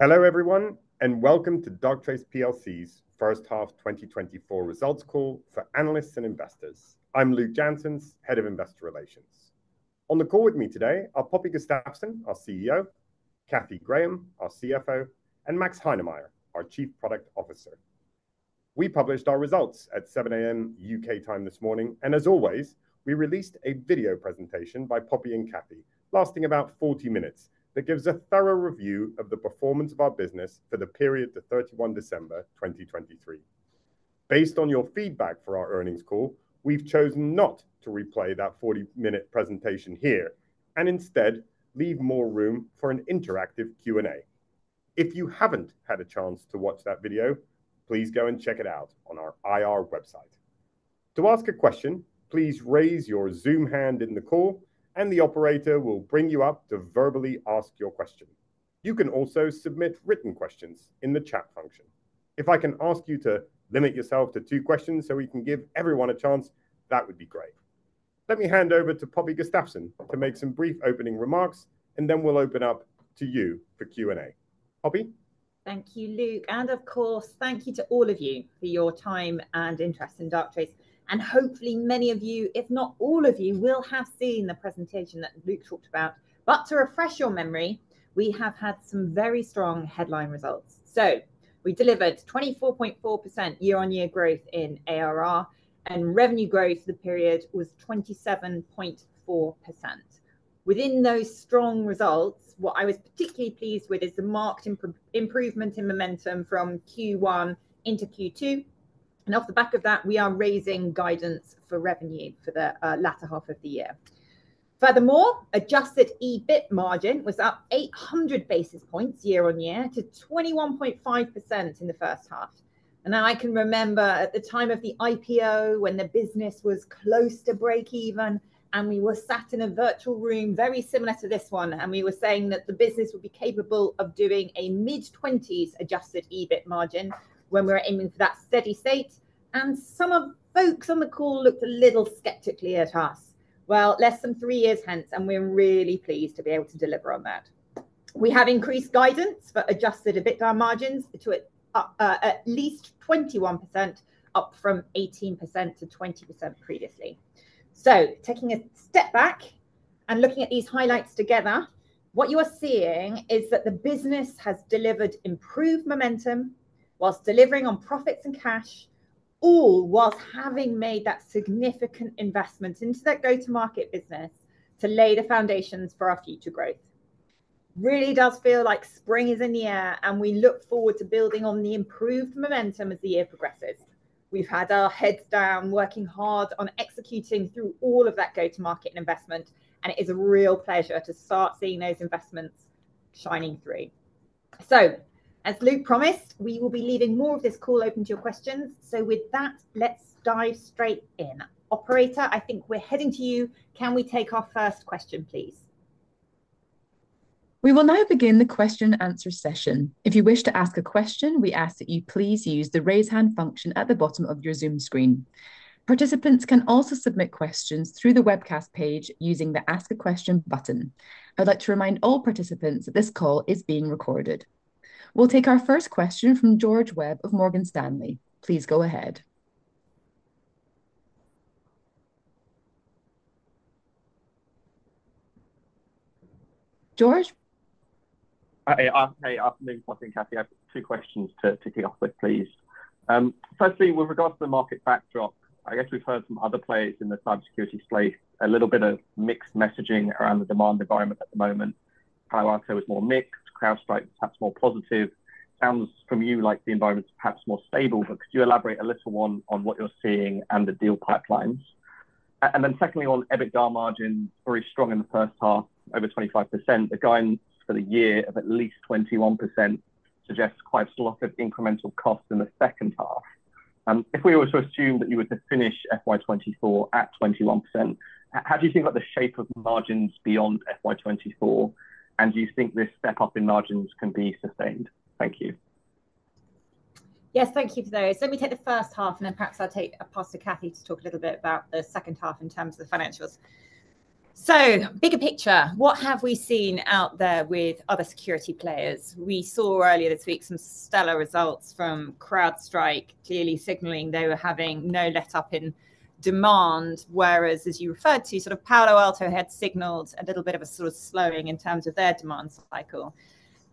Hello everyone, and welcome to Darktrace PLC's first half 2024 results call for analysts and investors. I'm Luk Janssens, Head of Investor Relations. On the call with me today are Poppy Gustafsson, our CEO, Cathy Graham, our CFO, and Max Heinemeyer, our Chief Product Officer. We published our results at 7:00 A.M. U.K. time this morning, and as always, we released a video presentation by Poppy and Cathy lasting about 40 minutes that gives a thorough review of the performance of our business for the period to 31 December 2023. Based on your feedback for our earnings call, we've chosen not to replay that 40-minute presentation here and instead leave more room for an interactive Q&A. If you haven't had a chance to watch that video, please go and check it out on our IR website. To ask a question, please raise your Zoom hand in the call, and the operator will bring you up to verbally ask your question. You can also submit written questions in the chat function. If I can ask you to limit yourself to two questions so we can give everyone a chance, that would be great. Let me hand over to Poppy Gustafsson to make some brief opening remarks, and then we'll open up to you for Q&A. Poppy? Thank you, Luk. Of course, thank you to all of you for your time and interest in Darktrace. Hopefully many of you, if not all of you, will have seen the presentation that Luk talked about. To refresh your memory, we have had some very strong headline results. We delivered 24.4% year-on-year growth in ARR, and revenue growth for the period was 27.4%. Within those strong results, what I was particularly pleased with is the marked improvement in momentum from Q1 into Q2. Off the back of that, we are raising guidance for revenue for the latter half of the year. Furthermore, adjusted EBIT margin was up 800 basis points year-on-year to 21.5% in the first half. Now I can remember at the time of the IPO when the business was close to break-even, and we were sat in a virtual room very similar to this one, and we were saying that the business would be capable of doing a mid-20s adjusted EBIT margin when we were aiming for that steady state. Some of folks on the call looked a little skeptically at us. Well, less than three years hence, and we're really pleased to be able to deliver on that. We have increased guidance for adjusted EBITDA margins to at least 21%, up from 18%-20% previously. So taking a step back and looking at these highlights together, what you are seeing is that the business has delivered improved momentum whilst delivering on profits and cash, all whilst having made that significant investment into that go-to-market business to lay the foundations for our future growth. Really does feel like spring is in the air, and we look forward to building on the improved momentum as the year progresses. We've had our heads down working hard on executing through all of that go-to-market investment, and it is a real pleasure to start seeing those investments shining through. So as Luk promised, we will be leaving more of this call open to your questions. So with that, let's dive straight in. Operator, I think we're heading to you. Can we take our first question, please? We will now begin the question-and-answer session. If you wish to ask a question, we ask that you please use the raise hand function at the bottom of your Zoom screen. Participants can also submit questions through the webcast page using the Ask a Question button. I'd like to remind all participants that this call is being recorded. We'll take our first question from George Webb of Morgan Stanley. Please go ahead. George? Hey, afternoon Poppy and Cathy. I have two questions to kick off with, please. Firstly, with regards to the market backdrop, I guess we've heard from other players in the cybersecurity space a little bit of mixed messaging around the demand environment at the moment. Palo Alto is more mixed. CrowdStrike is perhaps more positive. Sounds from you like the environment is perhaps more stable, but could you elaborate a little on what you're seeing and the deal pipelines? And then secondly, on EBITDA margins, very strong in the first half, over 25%. The guidance for the year of at least 21% suggests quite a lot of incremental costs in the second half. If we were to assume that you were to finish FY 2024 at 21%, how do you think about the shape of margins beyond FY 2024? And do you think this step up in margins can be sustained? Thank you. Yes, thank you for those. Let me take the first half, and then perhaps I'll take a pass to Cathy to talk a little bit about the second half in terms of the financials. So bigger picture, what have we seen out there with other security players? We saw earlier this week some stellar results from CrowdStrike, clearly signaling they were having no let-up in demand, whereas, as you referred to, sort of Palo Alto had signaled a little bit of a sort of slowing in terms of their demand cycle.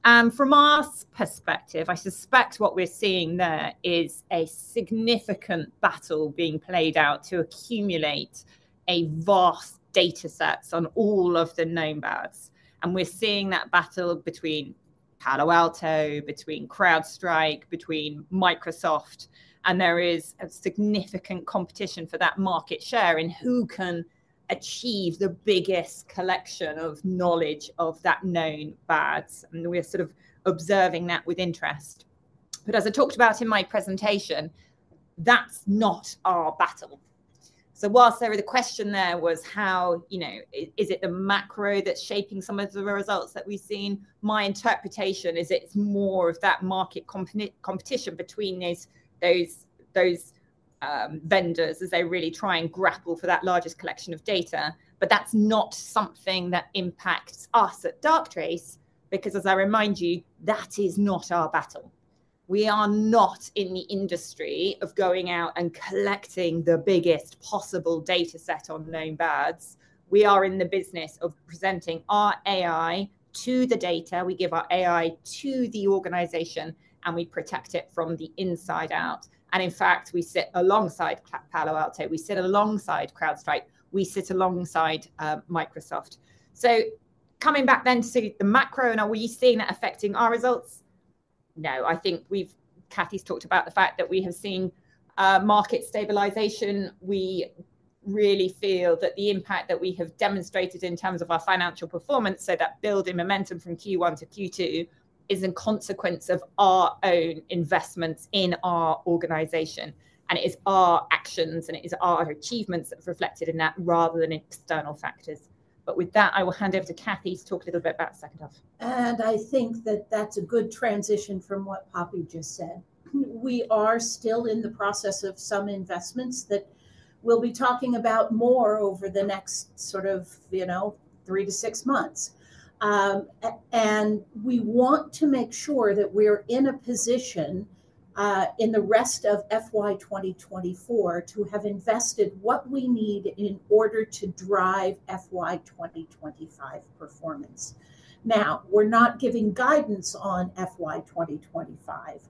And from our perspective, I suspect what we're seeing there is a significant battle being played out to accumulate a vast data set on all of the known badges. And we're seeing that battle between Palo Alto, between CrowdStrike, between Microsoft. There is significant competition for that market share in who can achieve the biggest collection of knowledge of that known bad. We're sort of observing that with interest. As I talked about in my presentation, that's not our battle. Whilst the question there was how is it the macro that's shaping some of the results that we've seen, my interpretation is it's more of that market competition between those vendors as they really try and grapple for that largest collection of data. That's not something that impacts us at Darktrace, because as I remind you, that is not our battle. We are not in the industry of going out and collecting the biggest possible data set on known bads. We are in the business of presenting our AI to the data. We give our AI to the organization, and we protect it from the inside out. And in fact, we sit alongside Palo Alto. We sit alongside CrowdStrike. We sit alongside Microsoft. So coming back then to the macro, and are we seeing that affecting our results? No, I think Cathy's talked about the fact that we have seen market stabilization. We really feel that the impact that we have demonstrated in terms of our financial performance, so that building momentum from Q1 to Q2, is a consequence of our own investments in our organization. And it is our actions, and it is our achievements that are reflected in that rather than external factors. But with that, I will hand over to Cathy to talk a little bit about the second half. I think that that's a good transition from what Poppy just said. We are still in the process of some investments that we'll be talking about more over the next sort of three to six months. We want to make sure that we're in a position in the rest of FY 2024 to have invested what we need in order to drive performance. Now, we're not giving guidance on FY 2025.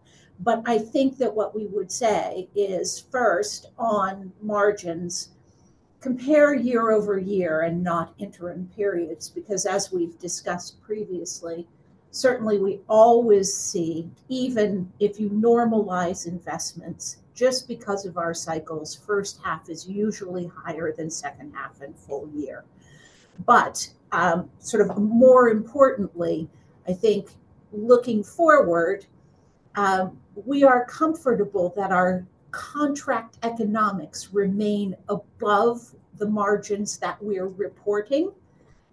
I think that what we would say is, first, on margins, compare year over year and not interim periods, because as we've discussed previously, certainly we always see, even if you normalize investments just because of our cycles, first half is usually higher than second half and full year. Sort of more importantly, I think looking forward, we are comfortable that our contract economics remain above the margins that we are reporting.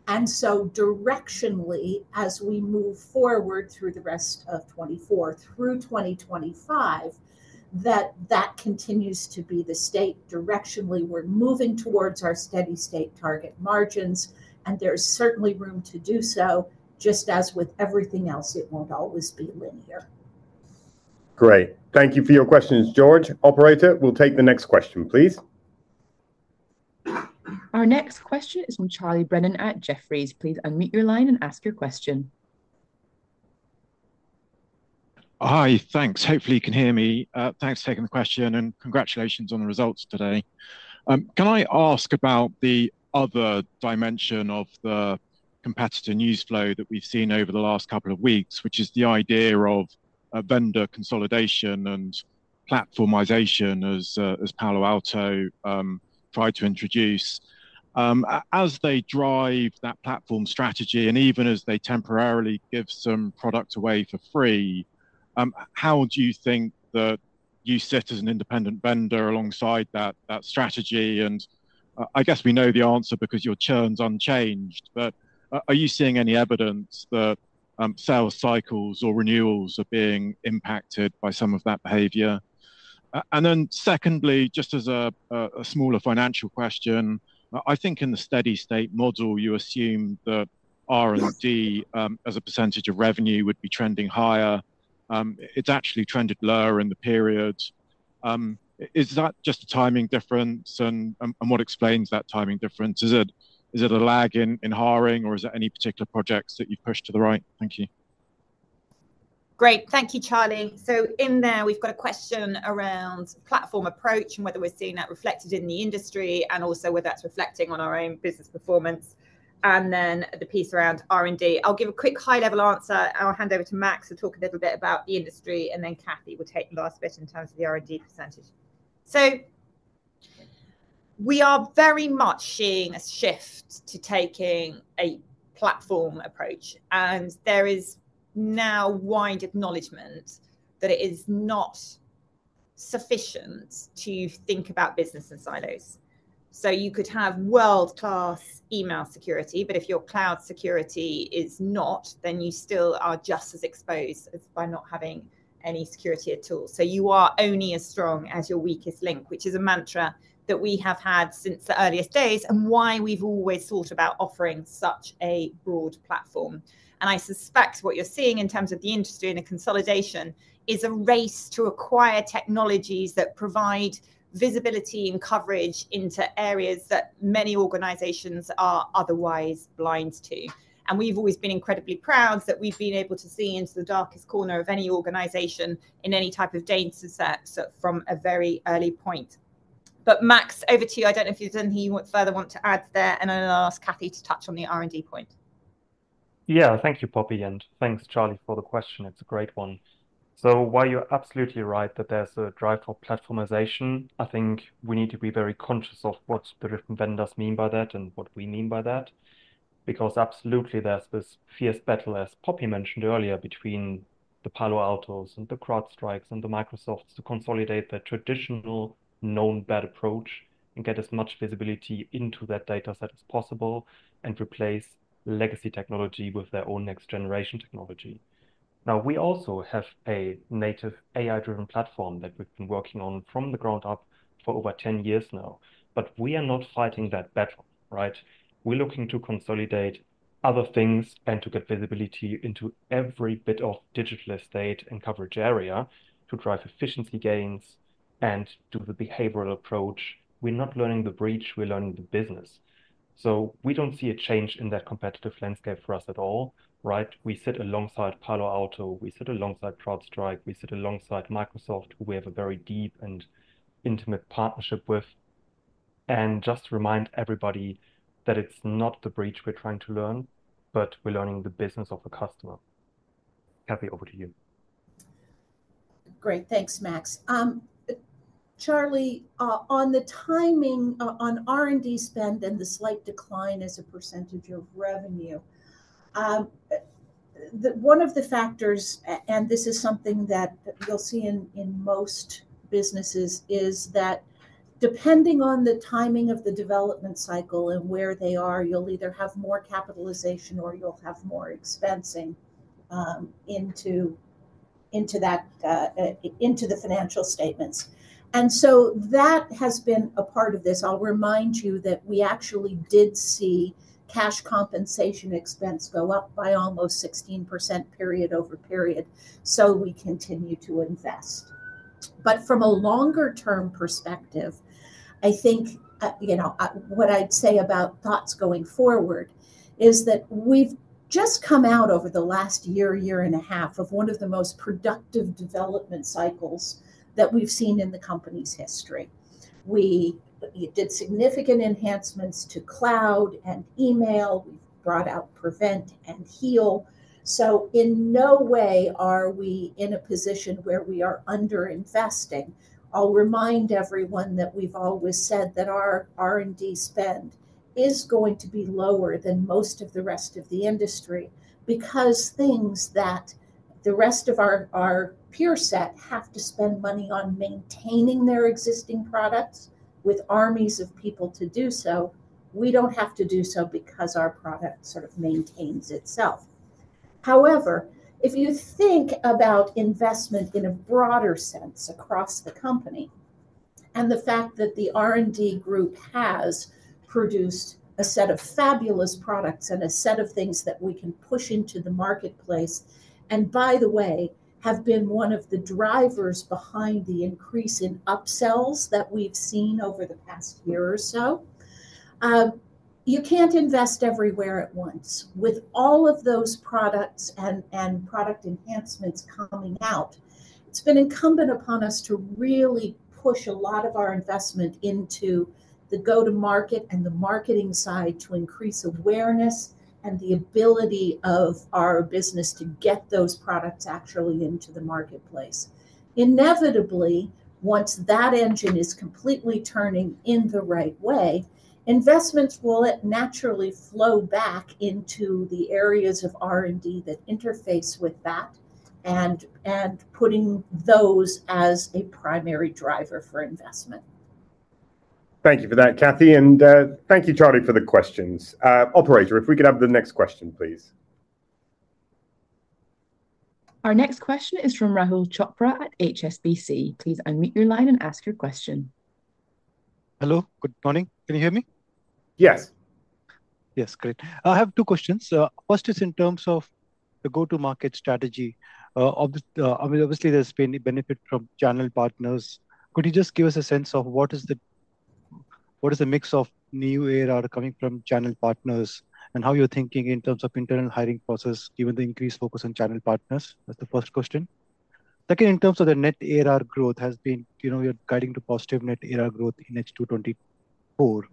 And so directionally, as we move forward through the rest of 2024, through 2025, that continues to be the state. Directionally, we're moving towards our steady state target margins, and there is certainly room to do so. Just as with everything else, it won't always be linear. Great. Thank you for your questions, George. Operator, we'll take the next question, please. Our next question is from Charlie Brennan at Jefferies. Please unmute your line and ask your question. Hi, thanks. Hopefully you can hear me. Thanks for taking the question, and congratulations on the results today. Can I ask about the other dimension of the competitor newsflow that we've seen over the last couple of weeks, which is the idea of vendor consolidation and platformization as Palo Alto tried to introduce? As they drive that platform strategy and even as they temporarily give some product away for free, how do you think that you sit as an independent vendor alongside that strategy? And I guess we know the answer because your churn's unchanged. But are you seeing any evidence that sales cycles or renewals are being impacted by some of that behavior? And then secondly, just as a smaller financial question, I think in the steady state model, you assume that R&D as a percentage of revenue would be trending higher. It's actually trended lower in the period. Is that just a timing difference? And what explains that timing difference? Is it a lag in hiring, or is there any particular projects that you've pushed to the right? Thank you. Great. Thank you, Charlie. In there, we've got a question around platform approach and whether we're seeing that reflected in the industry and also whether that's reflecting on our own business performance. Then the piece around R&D. I'll give a quick high-level answer. I'll hand over to Max to talk a little bit about the industry, and then Cathy will take the last bit in terms of the R&D percentage. We are very much seeing a shift to taking a platform approach. There is now wide acknowledgment that it is not sufficient to think about business in silos. You could have world-class email security, but if your cloud security is not, then you still are just as exposed by not having any security at all. You are only as strong as your weakest link, which is a mantra that we have had since the earliest days and why we've always thought about offering such a broad platform. I suspect what you're seeing in terms of the industry and the consolidation is a race to acquire technologies that provide visibility and coverage into areas that many organizations are otherwise blind to. We've always been incredibly proud that we've been able to see into the darkest corner of any organization in any type of data set from a very early point. But Max, over to you. I don't know if you have anything you further want to add there, and I'll ask Cathy to touch on the R&D point. Yeah, thank you, Poppy, and thanks, Charlie, for the question. It's a great one. So while you're absolutely right that there's a drive for platformization, I think we need to be very conscious of what the different vendors mean by that and what we mean by that. Because absolutely, there's this fierce battle, as Poppy mentioned earlier, between the Palo Altos and the CrowdStrikes and the Microsofts to consolidate their traditional known bad approach and get as much visibility into that data set as possible and replace legacy technology with their own next-generation technology. Now, we also have a native AI-driven platform that we've been working on from the ground up for over 10 years now. But we are not fighting that battle. We're looking to consolidate other things and to get visibility into every bit of digital estate and coverage area to drive efficiency gains and do the behavioral approach. We're not learning the breach. We're learning the business. So we don't see a change in that competitive landscape for us at all. We sit alongside Palo Alto. We sit alongside CrowdStrike. We sit alongside Microsoft, who we have a very deep and intimate partnership with. And just to remind everybody that it's not the breach we're trying to learn, but we're learning the business of a customer. Cathy, over to you. Great. Thanks, Max. Charlie, on the timing on R&D spend and the slight decline as a percentage of revenue, one of the factors and this is something that you'll see in most businesses is that depending on the timing of the development cycle and where they are, you'll either have more capitalization or you'll have more expensing into the financial statements. And so that has been a part of this. I'll remind you that we actually did see cash compensation expense go up by almost 16% period-over-period, so we continue to invest. But from a longer-term perspective, I think what I'd say about thoughts going forward is that we've just come out over the last year, year and a half, of one of the most productive development cycles that we've seen in the company's history. We did significant enhancements to cloud and email. We've brought out PREVENT and HEAL. So in no way are we in a position where we are underinvesting. I'll remind everyone that we've always said that our R&D spend is going to be lower than most of the rest of the industry because things that the rest of our peer set have to spend money on maintaining their existing products with armies of people to do so, we don't have to do so because our product sort of maintains itself. However, if you think about investment in a broader sense across the company and the fact that the R&D group has produced a set of fabulous products and a set of things that we can push into the marketplace and, by the way, have been one of the drivers behind the increase in upsells that we've seen over the past year or so, you can't invest everywhere at once. With all of those products and product enhancements coming out, it's been incumbent upon us to really push a lot of our investment into the go-to-market and the marketing side to increase awareness and the ability of our business to get those products actually into the marketplace. Inevitably, once that engine is completely turning in the right way, investments will naturally flow back into the areas of R&D that interface with that and putting those as a primary driver for investment. Thank you for that, Cathy. Thank you, Charlie, for the questions. Operator, if we could have the next question, please. Our next question is from Rahul Chopra at HSBC. Please unmute your line and ask your question. Hello. Good morning. Can you hear me? Yes. Yes, great. I have two questions. First is in terms of the go-to-market strategy. Obviously, there's been a benefit from channel partners. Could you just give us a sense of what is the mix of new ARR coming from channel partners and how you're thinking in terms of internal hiring process, given the increased focus on channel partners? That's the first question. Second, in terms of the net ARR growth, we are guiding to positive net ARR growth in H2 2024.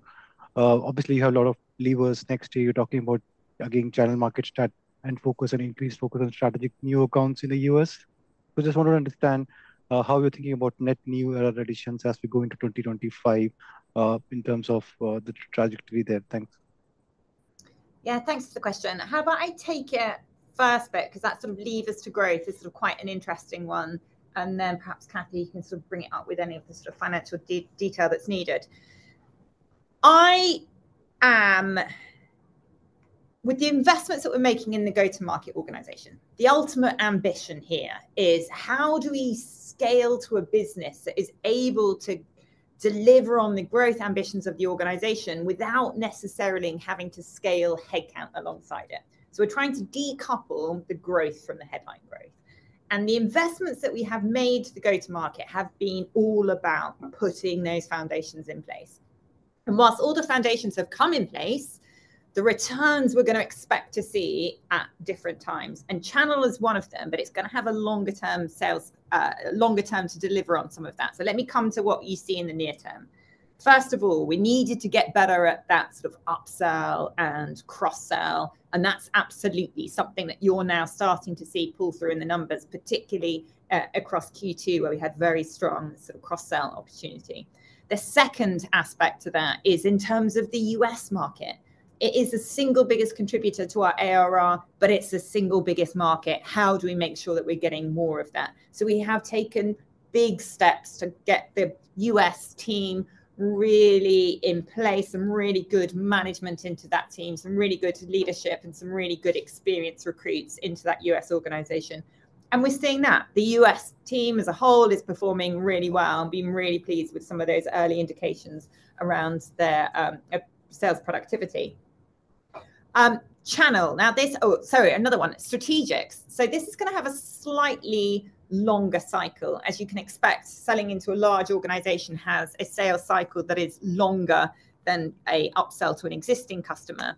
Obviously, you have a lot of levers next year. You're talking about, again, channel market and increased focus on strategic new accounts in the U.S. We just want to understand how you're thinking about net new ARR additions as we go into 2025 in terms of the trajectory there. Thanks. Yeah, thanks for the question. How about I take a first bit because that sort of levers to growth is sort of quite an interesting one. And then perhaps Cathy, you can sort of bring it up with any of the sort of financial detail that's needed. With the investments that we're making in the go-to-market organization, the ultimate ambition here is how do we scale to a business that is able to deliver on the growth ambitions of the organization without necessarily having to scale headcount alongside it? So we're trying to decouple the growth from the headline growth. And the investments that we have made to the go-to-market have been all about putting those foundations in place. And while all the foundations have come in place, the returns we're going to expect to see at different times. Channel is one of them, but it's going to have a longer-term sales longer-term to deliver on some of that. So let me come to what you see in the near term. First of all, we needed to get better at that sort of upsell and cross-sell. And that's absolutely something that you're now starting to see pull through in the numbers, particularly across Q2, where we had very strong sort of cross-sell opportunity. The second aspect to that is in terms of the U.S. market. It is the single biggest contributor to our ARR, but it's the single biggest market. How do we make sure that we're getting more of that? So we have taken big steps to get the U.S. team really in place, some really good management into that team, some really good leadership, and some really good experienced recruits into that U.S. organization. And we're seeing that. The U.S. team as a whole is performing really well and being really pleased with some of those early indications around their sales productivity. Channel. Now, this oh, sorry, another one, strategics. So this is going to have a slightly longer cycle. As you can expect, selling into a large organization has a sales cycle that is longer than an upsell to an existing customer.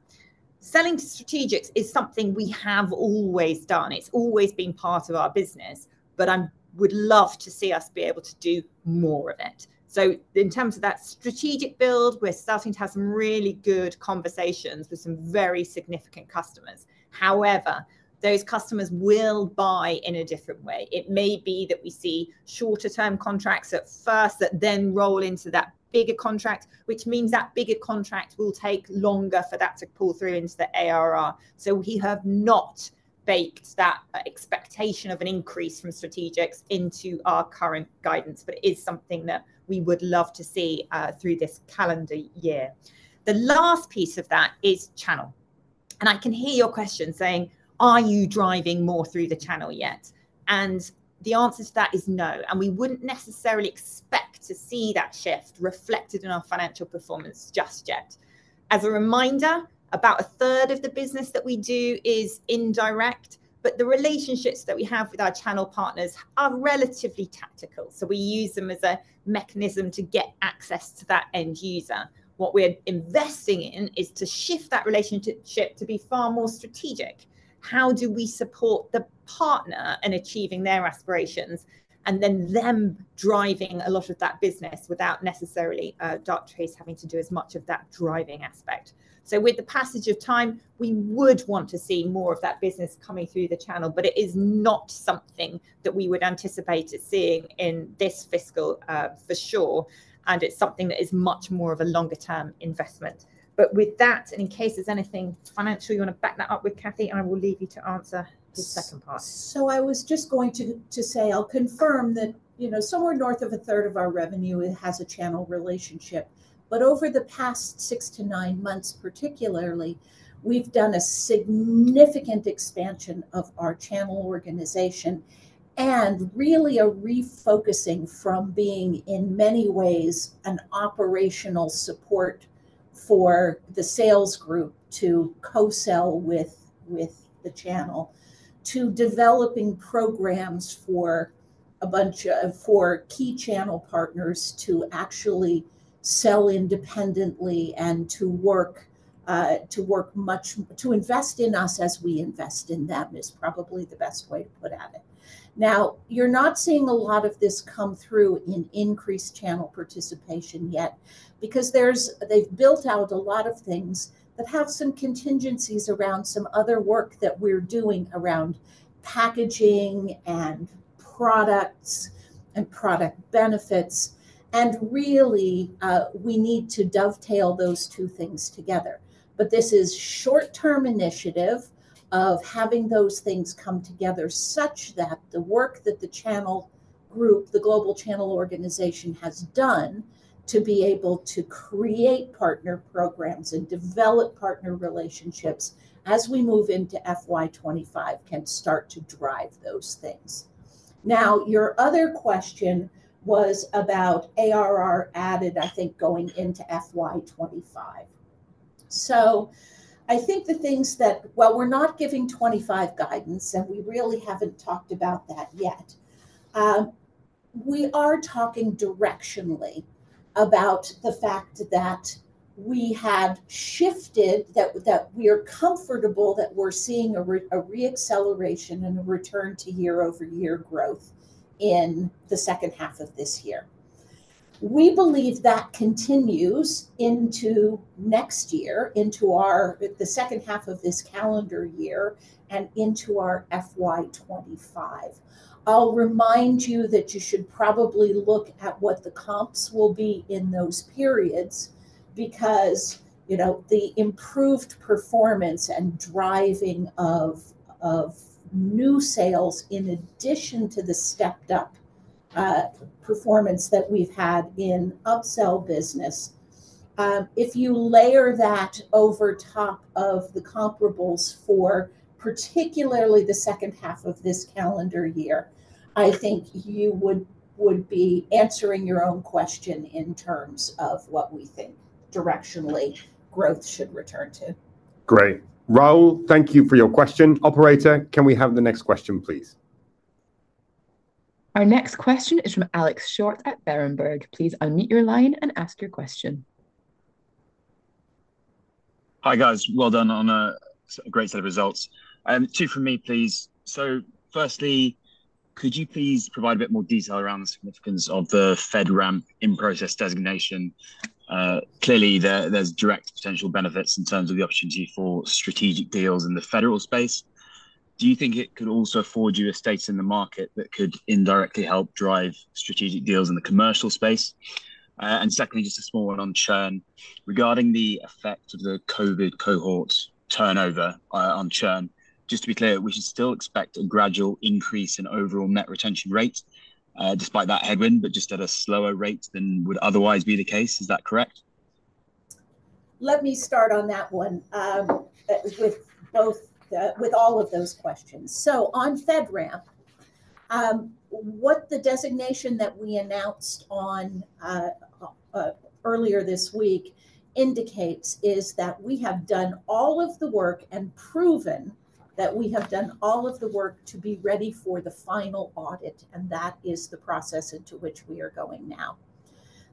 Selling to strategics is something we have always done. It's always been part of our business. But I would love to see us be able to do more of it. So in terms of that strategic build, we're starting to have some really good conversations with some very significant customers. However, those customers will buy in a different way. It may be that we see shorter-term contracts at first that then roll into that bigger contract, which means that bigger contract will take longer for that to pull through into the ARR. So we have not baked that expectation of an increase from strategics into our current guidance. But it is something that we would love to see through this calendar year. The last piece of that is channel. And I can hear your question saying, are you driving more through the channel yet? And the answer to that is no. And we wouldn't necessarily expect to see that shift reflected in our financial performance just yet. As a reminder, about a third of the business that we do is indirect. But the relationships that we have with our channel partners are relatively tactical. So we use them as a mechanism to get access to that end user. What we're investing in is to shift that relationship to be far more strategic. How do we support the partner in achieving their aspirations and then them driving a lot of that business without necessarily Darktrace having to do as much of that driving aspect? So with the passage of time, we would want to see more of that business coming through the channel. But it is not something that we would anticipate seeing in this fiscal, for sure. And it's something that is much more of a longer-term investment. But with that, and in case there's anything financial you want to back that up with Cathy, I will leave you to answer the second part. I was just going to say I'll confirm that somewhere north of a third of our revenue has a channel relationship. But over the past six to nine months, particularly, we've done a significant expansion of our channel organization and really a refocusing from being, in many ways, an operational support for the sales group to co-sell with the channel to developing programs for a bunch of key channel partners to actually sell independently and to work to invest in us as we invest in them is probably the best way to put it. Now, you're not seeing a lot of this come through in increased channel participation yet because they've built out a lot of things that have some contingencies around some other work that we're doing around packaging and products and product benefits. Really, we need to dovetail those two things together. But this is a short-term initiative of having those things come together such that the work that the channel group, the global channel organization, has done to be able to create partner programs and develop partner relationships as we move into FY 2025 can start to drive those things. Now, your other question was about ARR added, I think, going into FY 2025. So I think the things that well, we're not giving 2025 guidance, and we really haven't talked about that yet. We are talking directionally about the fact that we had shifted that we are comfortable that we're seeing a reacceleration and a return to year-over-year growth in the second half of this year. We believe that continues into next year, into the second half of this calendar year, and into our FY 2025. I'll remind you that you should probably look at what the comps will be in those periods because the improved performance and driving of new sales in addition to the stepped-up performance that we've had in upsell business, if you layer that over top of the comparables for particularly the second half of this calendar year, I think you would be answering your own question in terms of what we think directionally growth should return to. Great. Rahul, thank you for your question. Operator, can we have the next question, please? Our next question is from Alex Short at Berenberg. Please unmute your line and ask your question. Hi guys. Well done on a great set of results. Two from me, please. So firstly, could you please provide a bit more detail around the significance of the FedRAMP in-process designation? Clearly, there's direct potential benefits in terms of the opportunity for strategic deals in the federal space. Do you think it could also afford you a seat in the market that could indirectly help drive strategic deals in the commercial space? And secondly, just a small one on churn. Regarding the effect of the COVID cohort turnover on churn, just to be clear, we should still expect a gradual increase in overall net retention rate despite that headwind, but just at a slower rate than would otherwise be the case. Is that correct? Let me start on that one with all of those questions. So on FedRAMP, what the designation that we announced earlier this week indicates is that we have done all of the work and proven that we have done all of the work to be ready for the final audit. And that is the process into which we are going now.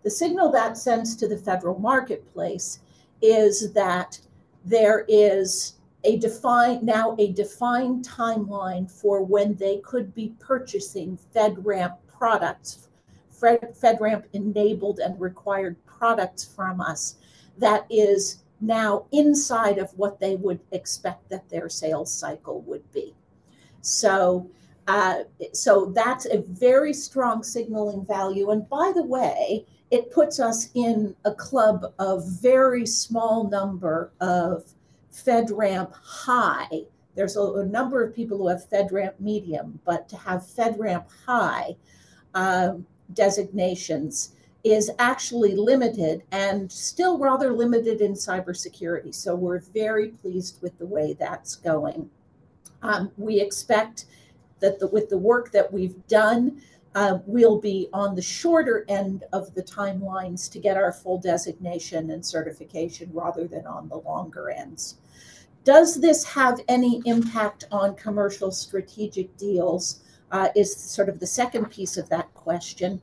The signal that sends to the federal marketplace is that there is now a defined timeline for when they could be purchasing FedRAMP products, FedRAMP-enabled and required products from us that is now inside of what they would expect that their sales cycle would be. So that's a very strong signaling value. And by the way, it puts us in a club of very small number of FedRAMP High. There's a number of people who have FedRAMP Medium. But to have FedRAMP High designations is actually limited and still rather limited in cybersecurity. So we're very pleased with the way that's going. We expect that with the work that we've done, we'll be on the shorter end of the timelines to get our full designation and certification rather than on the longer ends. Does this have any impact on commercial strategic deals? Is sort of the second piece of that question.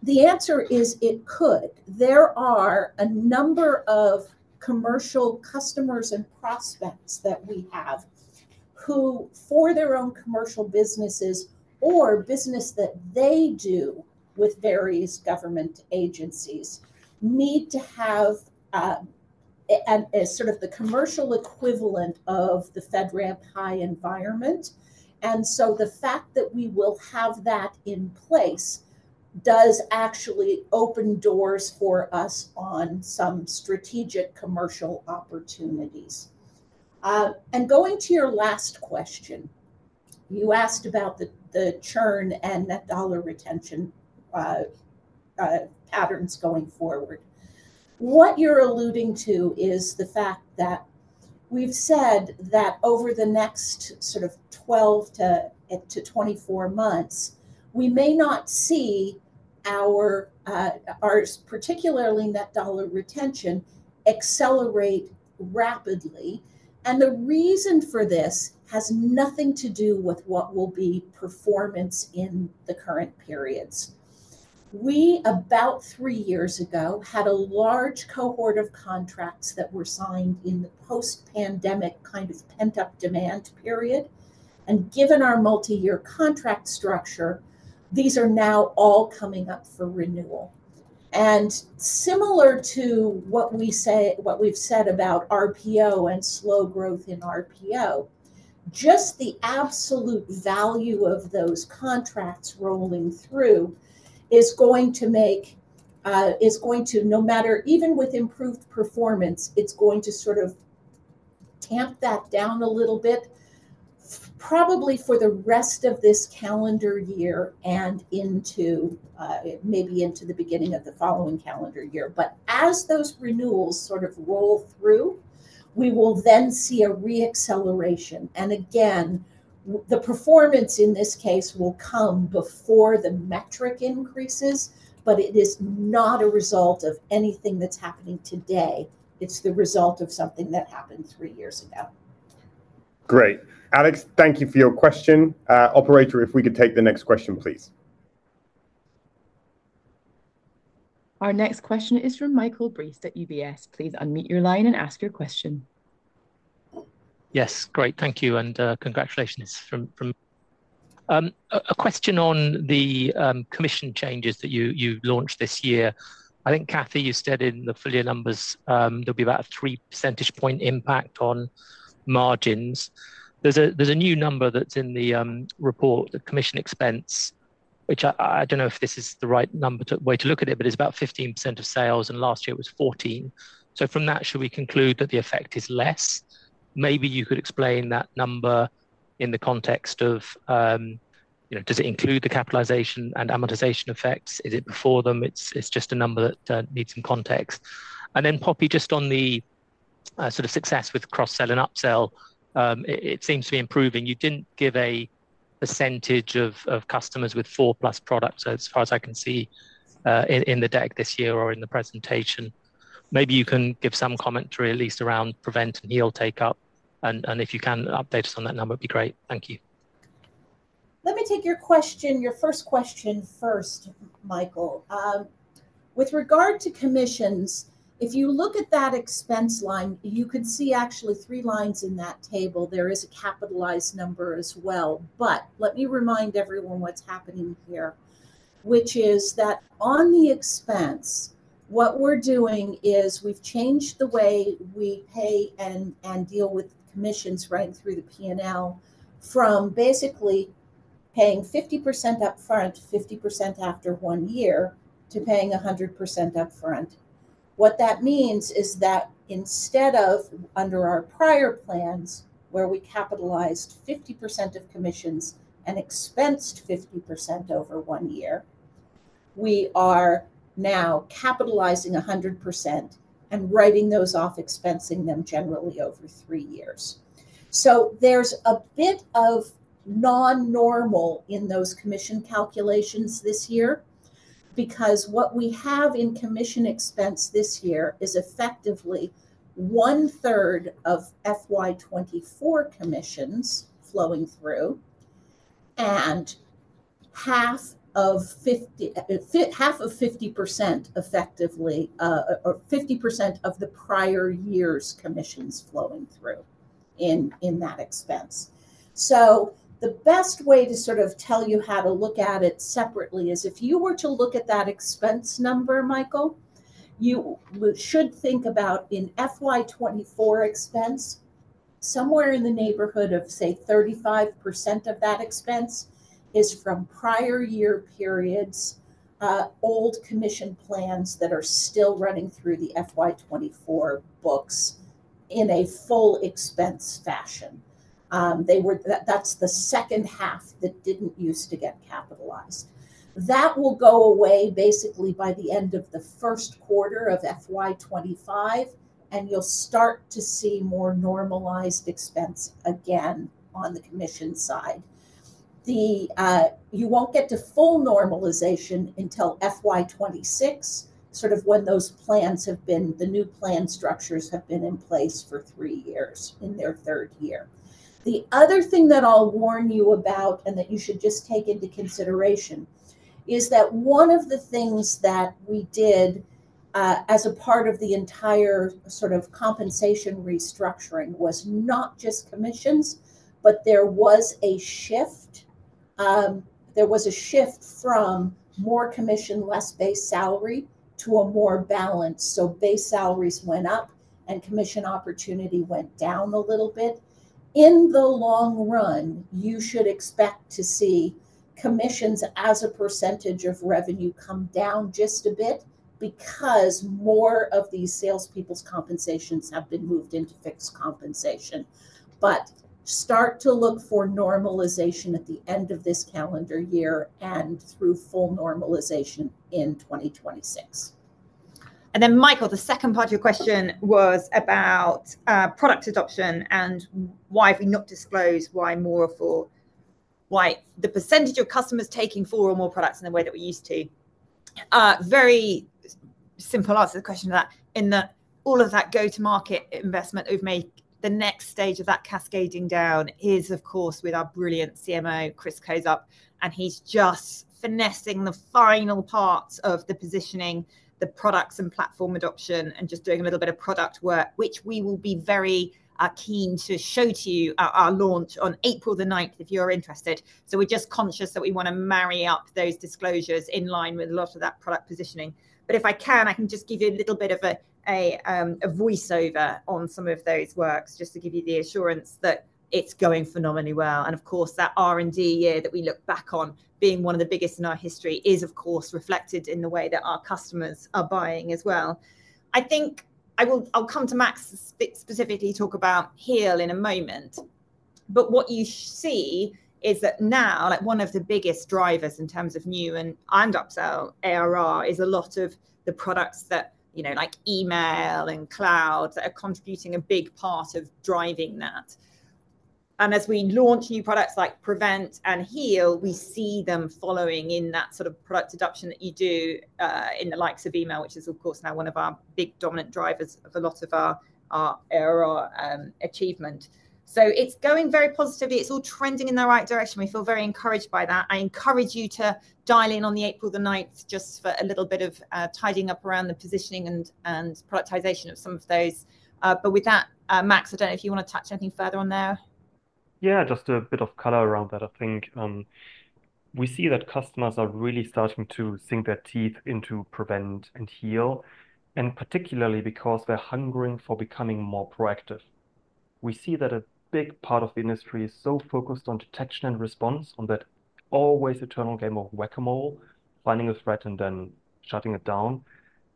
The answer is it could. There are a number of commercial customers and prospects that we have who, for their own commercial businesses or business that they do with various government agencies, need to have sort of the commercial equivalent of the FedRAMP High environment. So the fact that we will have that in place does actually open doors for us on some strategic commercial opportunities. Going to your last question, you asked about the churn and net dollar retention patterns going forward. What you're alluding to is the fact that we've said that over the next sort of 12-24 months, we may not see our, particularly net dollar retention, accelerate rapidly. And the reason for this has nothing to do with what will be performance in the current periods. We, about three years ago, had a large cohort of contracts that were signed in the post-pandemic kind of pent-up demand period. And given our multi-year contract structure, these are now all coming up for renewal. Similar to what we've said about RPO and slow growth in RPO, just the absolute value of those contracts rolling through is going to make, no matter even with improved performance, it's going to sort of tamp that down a little bit probably for the rest of this calendar year and maybe into the beginning of the following calendar year. But as those renewals sort of roll through, we will then see a reacceleration. And again, the performance in this case will come before the metric increases. But it is not a result of anything that's happening today. It's the result of something that happened three years ago. Great. Alex, thank you for your question. Operator, if we could take the next question, please. Our next question is from Michael Briest at UBS. Please unmute your line and ask your question. Yes. Great. Thank you. And congratulations from me. A question on the commission changes that you launched this year. I think, Cathy, you said in the full year numbers there'll be about a 3 percentage point impact on margins. There's a new number that's in the report, the commission expense, which I don't know if this is the right way to look at it, but it's about 15% of sales. And last year, it was 14%. So from that, should we conclude that the effect is less? Maybe you could explain that number in the context of does it include the capitalization and amortization effects? Is it before them? It's just a number that needs some context. And then Poppy, just on the sort of success with cross-sell and upsell, it seems to be improving. You didn't give a percentage of customers with 4+ products, as far as I can see, in the deck this year or in the presentation. Maybe you can give some commentary, at least around PREVENT and HEAL take-up. If you can update us on that number, it'd be great. Thank you. Let me take your first question first, Michael. With regard to commissions, if you look at that expense line, you could see actually three lines in that table. There is a capitalized number as well. But let me remind everyone what's happening here, which is that on the expense, what we're doing is we've changed the way we pay and deal with commissions right through the P&L from basically paying 50% upfront, 50% after one year to paying 100% upfront. What that means is that instead of under our prior plans, where we capitalized 50% of commissions and expensed 50% over one year, we are now capitalizing 100% and writing those off, expensing them generally over three years. So there's a bit of non-normal in those commission calculations this year because what we have in commission expense this year is effectively one-third of FY 2024 commissions flowing through and half of 50% effectively or 50% of the prior year's commissions flowing through in that expense. So the best way to sort of tell you how to look at it separately is if you were to look at that expense number, Michael, you should think about in FY 2024 expense, somewhere in the neighborhood of, say, 35% of that expense is from prior year periods, old commission plans that are still running through the FY 2024 books in a full expense fashion. That's the second half that didn't use to get capitalized. That will go away basically by the end of the first quarter of FY 2025. And you'll start to see more normalized expense again on the commission side. You won't get to full normalization until FY 2026, sort of when those new plan structures have been in place for three years in their third year. The other thing that I'll warn you about and that you should just take into consideration is that one of the things that we did as a part of the entire sort of compensation restructuring was not just commissions, but there was a shift. There was a shift from more commission, less base salary to a more balanced. So base salaries went up and commission opportunity went down a little bit. In the long run, you should expect to see commissions as a percentage of revenue come down just a bit because more of these salespeople's compensations have been moved into fixed compensation. Start to look for normalization at the end of this calendar year and through full normalization in 2026. And then, Michael, the second part of your question was about product adoption and why have we not disclosed why more or why the percentage of customers taking four or more products in the way that we used to. Very simple answer to the question of that in that all of that go-to-market investment that we've made, the next stage of that cascading down is, of course, with our brilliant CMO, Chris Kozup. And he's just finessing the final parts of the positioning, the products and platform adoption, and just doing a little bit of product work, which we will be very keen to show to you our launch on April the 9th if you are interested. So we're just conscious that we want to marry up those disclosures in line with a lot of that product positioning. But if I can, I can just give you a little bit of a voiceover on some of those works just to give you the assurance that it's going phenomenally well. And of course, that R&D year that we look back on being one of the biggest in our history is, of course, reflected in the way that our customers are buying as well. I think I'll come to Max specifically talk about HEAL in a moment. But what you see is that now, one of the biggest drivers in terms of new and upsell ARR is a lot of the products that, like Email and Cloud, that are contributing a big part of driving that. As we launch new products like PREVENT and HEAL, we see them following in that sort of product adoption that you do in the likes of email, which is, of course, now one of our big dominant drivers of a lot of our ARR achievement. So it's going very positively. It's all trending in the right direction. We feel very encouraged by that. I encourage you to dial in on April the 9th just for a little bit of tidying up around the positioning and productization of some of those. But with that, Max, I don't know if you want to touch anything further on there. Yeah, just a bit of color around that. I think we see that customers are really starting to sink their teeth into PREVENT and HEAL, and particularly because they're hungering for becoming more proactive. We see that a big part of the industry is so focused on detection and response, on that always eternal game of whack-a-mole, finding a threat and then shutting it down,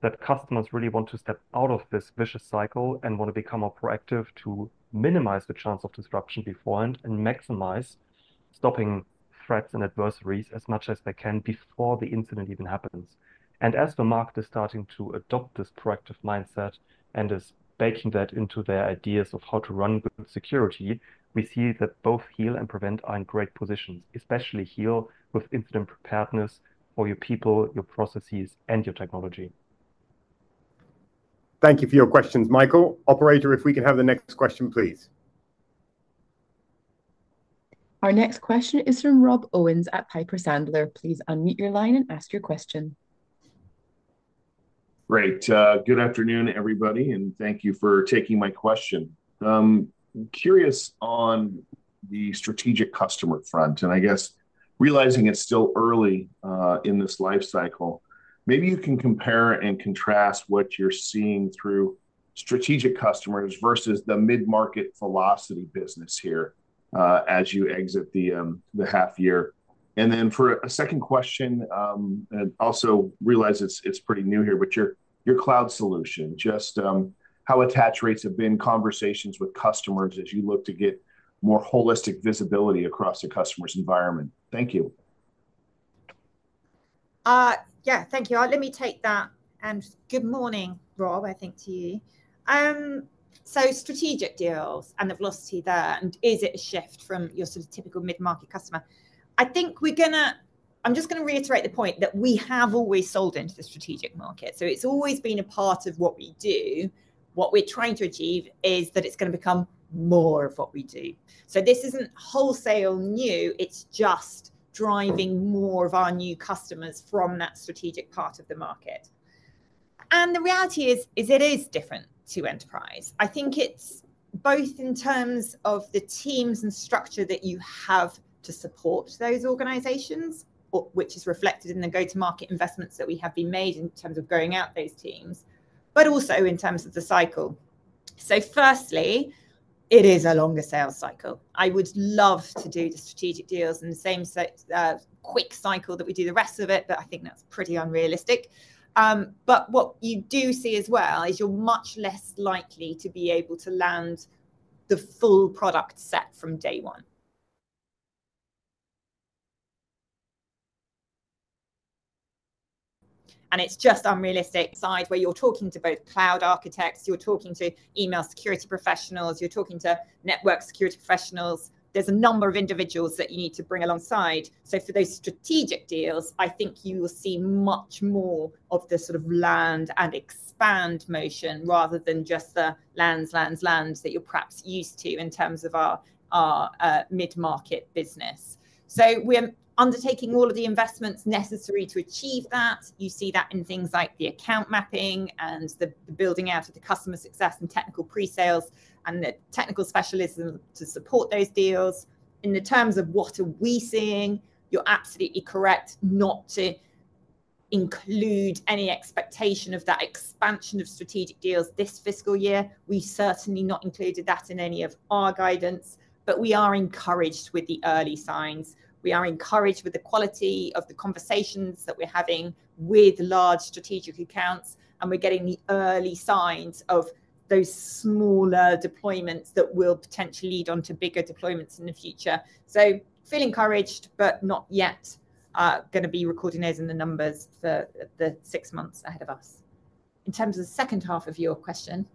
that customers really want to step out of this vicious cycle and want to become more proactive to minimize the chance of disruption beforehand and maximize stopping threats and adversaries as much as they can before the incident even happens. As the market is starting to adopt this proactive mindset and is baking that into their ideas of how to run good security, we see that both HEAL and PREVENT are in great positions, especially HEAL with incident preparedness for your people, your processes, and your technology. Thank you for your questions, Michael. Operator, if we can have the next question, please. Our next question is from Rob Owens at Piper Sandler. Please unmute your line and ask your question. Great. Good afternoon, everybody. Thank you for taking my question. I'm curious on the strategic customer front. I guess realizing it's still early in this life cycle, maybe you can compare and contrast what you're seeing through strategic customers versus the mid-market SMB business here as you exit the half-year. Then for a second question, also realize it's pretty new here, but your cloud solution, just how attach rates have been, conversations with customers as you look to get more holistic visibility across the customer's environment. Thank you. Yeah. Thank you. Let me take that. Good morning, Rob, I think, to you. Strategic deals and the velocity there, and is it a shift from your sort of typical mid-market customer? I think we're going to. I'm just going to reiterate the point that we have always sold into the strategic market. It's always been a part of what we do. What we're trying to achieve is that it's going to become more of what we do. This isn't wholesale new. It's just driving more of our new customers from that strategic part of the market. The reality is it is different to enterprise. I think it's both in terms of the teams and structure that you have to support those organizations, which is reflected in the go-to-market investments that we have made in terms of building out those teams, but also in terms of the cycle. So firstly, it is a longer sales cycle. I would love to do the strategic deals in the same quick cycle that we do the rest of it. But I think that's pretty unrealistic. But what you do see as well is you're much less likely to be able to land the full product set from day one. And it's just unrealistic. So where you're talking to both cloud architects, you're talking to email security professionals, you're talking to network security professionals. There's a number of individuals that you need to bring alongside. So for those strategic deals, I think you will see much more of the sort of land and expand motion rather than just the lands, lands, land that you're perhaps used to in terms of our mid-market business. So we're undertaking all of the investments necessary to achieve that. You see that in things like the account mapping and the building out of the customer success and technical presales and the technical specialism to support those deals. In the terms of what are we seeing, you're absolutely correct not to include any expectation of that expansion of strategic deals this fiscal year. We certainly not included that in any of our guidance. But we are encouraged with the early signs. We are encouraged with the quality of the conversations that we're having with large strategic accounts. We're getting the early signs of those smaller deployments that will potentially lead on to bigger deployments in the future. Feel encouraged, but not yet going to be recording those in the numbers for the six months ahead of us. In terms of the second half of your question.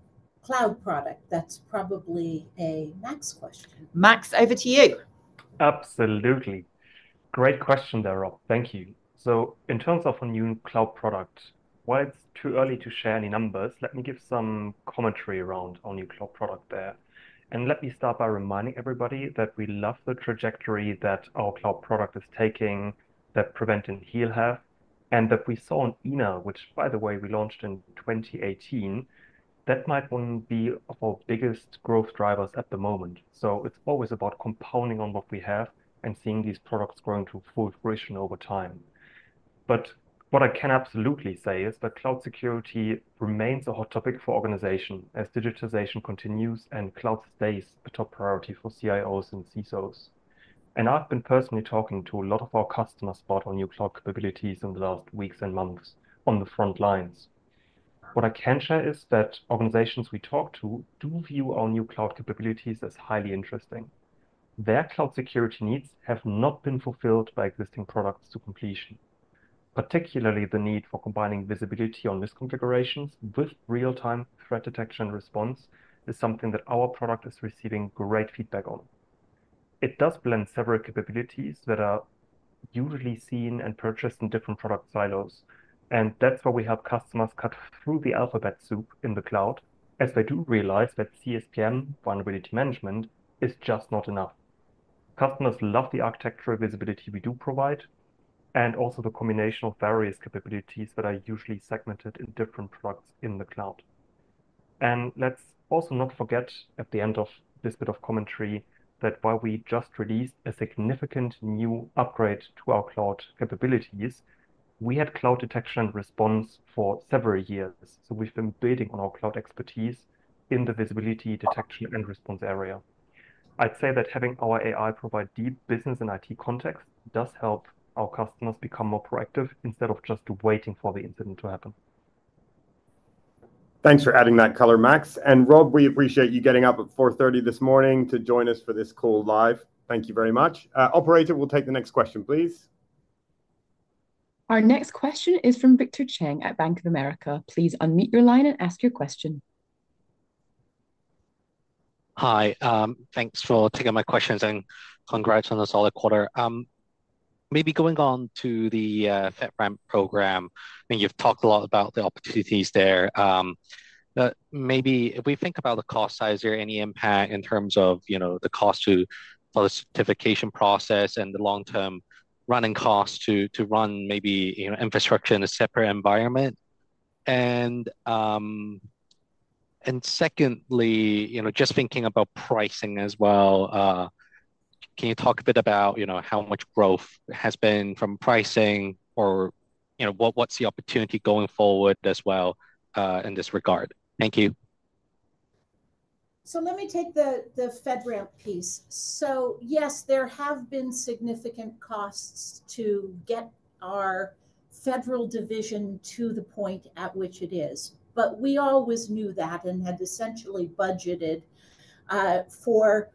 Cloud product, that's probably a Max question. Max, over to you. Absolutely. Great question there, Rob. Thank you. So in terms of our new cloud product, while it's too early to share any numbers, let me give some commentary around our new cloud product there. And let me start by reminding everybody that we love the trajectory that our cloud product is taking, that PREVENT and HEAL have, and that we saw in Antigena, which, by the way, we launched in 2018, that might not be our biggest growth drivers at the moment. So it's always about compounding on what we have and seeing these products growing to full fruition over time. But what I can absolutely say is that cloud security remains a hot topic for organizations as digitization continues and cloud stays a top priority for CIOs and CISOs. I've been personally talking to a lot of our customers about our new cloud capabilities in the last weeks and months on the front lines. What I can share is that organizations we talk to do view our new cloud capabilities as highly interesting. Their cloud security needs have not been fulfilled by existing products to completion. Particularly, the need for combining visibility on misconfigurations with real-time threat detection and response is something that our product is receiving great feedback on. It does blend several capabilities that are usually seen and purchased in different product silos. And that's why we help customers cut through the alphabet soup in the cloud as they do realize that CSPM, vulnerability management, is just not enough. Customers love the architectural visibility we do provide and also the combination of various capabilities that are usually segmented in different products in the cloud. Let's also not forget at the end of this bit of commentary that while we just released a significant new upgrade to our cloud capabilities, we had cloud detection and response for several years. We've been building on our cloud expertise in the visibility, detection, and response area. I'd say that having our AI provide deep business and IT context does help our customers become more proactive instead of just waiting for the incident to happen. Thanks for adding that color, Max. And Rob, we appreciate you getting up at 4:30 A.M. this morning to join us for this call live. Thank you very much. Operator, we'll take the next question, please. Our next question is from Victor Cheng at Bank of America. Please unmute your line and ask your question. Hi. Thanks for taking my questions. Congrats on the solid quarter. Maybe going on to the FedRAMP program, I mean, you've talked a lot about the opportunities there. Maybe if we think about the cost side, is there any impact in terms of the cost to the certification process and the long-term running cost to run maybe infrastructure in a separate environment? Secondly, just thinking about pricing as well, can you talk a bit about how much growth has been from pricing or what's the opportunity going forward as well in this regard? Thank you. So let me take the FedRAMP piece. So yes, there have been significant costs to get our federal division to the point at which it is. But we always knew that and had essentially budgeted for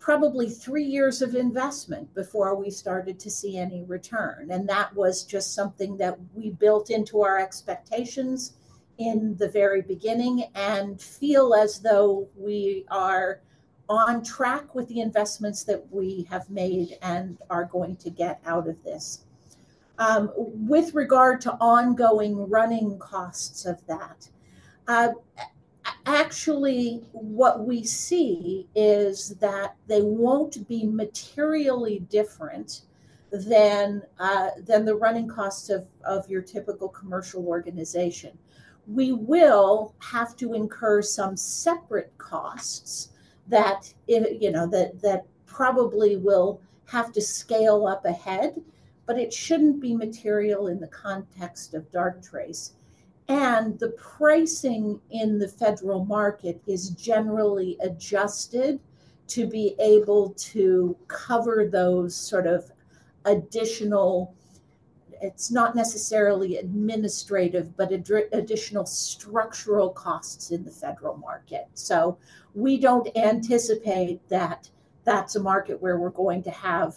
probably three years of investment before we started to see any return. And that was just something that we built into our expectations in the very beginning and feel as though we are on track with the investments that we have made and are going to get out of this with regard to ongoing running costs of that. Actually, what we see is that they won't be materially different than the running costs of your typical commercial organization. We will have to incur some separate costs that probably will have to scale up ahead. But it shouldn't be material in the context of Darktrace. The pricing in the federal market is generally adjusted to be able to cover those sort of additional, it's not necessarily administrative, but additional structural costs in the federal market. So we don't anticipate that that's a market where we're going to have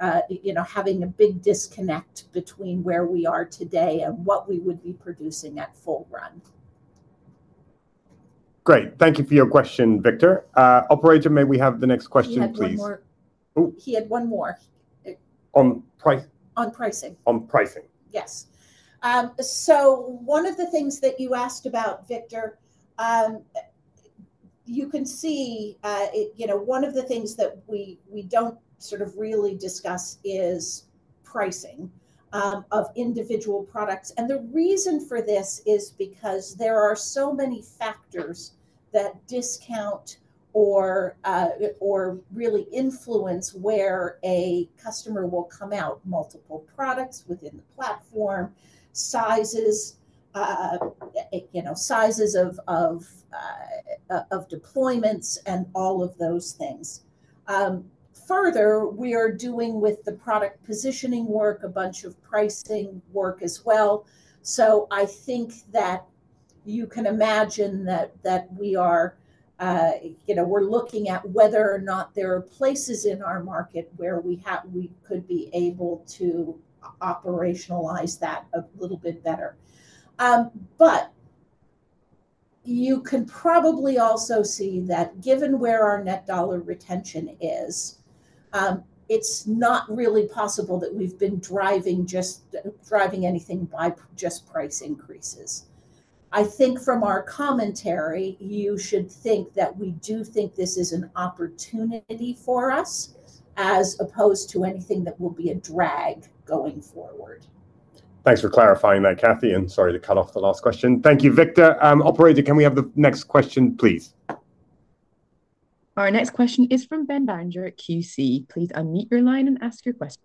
a big disconnect between where we are today and what we would be producing at full run. Great. Thank you for your question, Victor. Operator, may we have the next question, please? Max had one more. He had one more. On price? On pricing. On pricing. Yes. So one of the things that you asked about, Victor, you can see one of the things that we don't sort of really discuss is pricing of individual products. And the reason for this is because there are so many factors that discount or really influence where a customer will come out, multiple products within the platform, sizes of deployments, and all of those things. Further, we are doing with the product positioning work a bunch of pricing work as well. So I think that you can imagine that we're looking at whether or not there are places in our market where we could be able to operationalize that a little bit better. But you can probably also see that given where our net dollar retention is, it's not really possible that we've been driving anything by just price increases. I think from our commentary, you should think that we do think this is an opportunity for us as opposed to anything that will be a drag going forward. Thanks for clarifying that, Cathy. Sorry to cut off the last question. Thank you, Victor. Operator, can we have the next question, please? Our next question is from Ben Barringer at Quilter Cheviot. Please unmute your line and ask your question.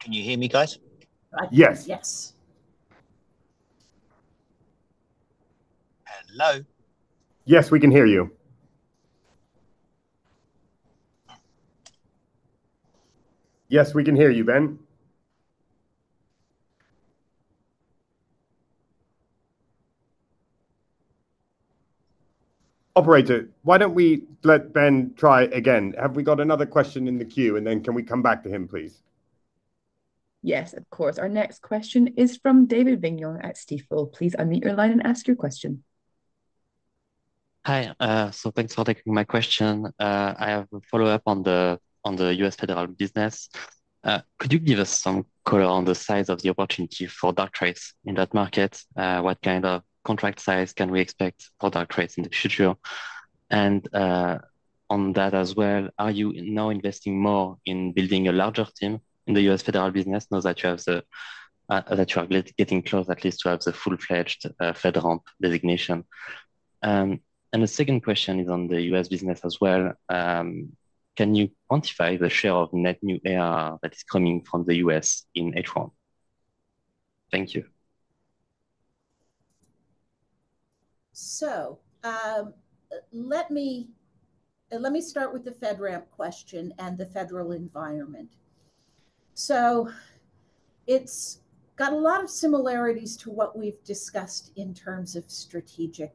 Can you hear me, guys? Yes. Yes. Hello? Yes, we can hear you. Yes, we can hear you, Ben. Operator, why don't we let Ben try again? Have we got another question in the queue? And then can we come back to him, please? Yes, of course. Our next question is from David Vignon at Stifel. Please unmute your line and ask your question. Hi. So thanks for taking my question. I have a follow-up on the U.S. federal business. Could you give us some color on the size of the opportunity for Darktrace in that market? What kind of contract size can we expect for Darktrace in the future? And on that as well, are you now investing more in building a larger team in the U.S. federal business now that you are getting close, at least, to have the full-fledged FedRAMP designation? And the second question is on the U.S. business as well. Can you quantify the share of net new ARR that is coming from the U.S. in H1? Thank you. So let me start with the FedRAMP question and the federal environment. So it's got a lot of similarities to what we've discussed in terms of the strategic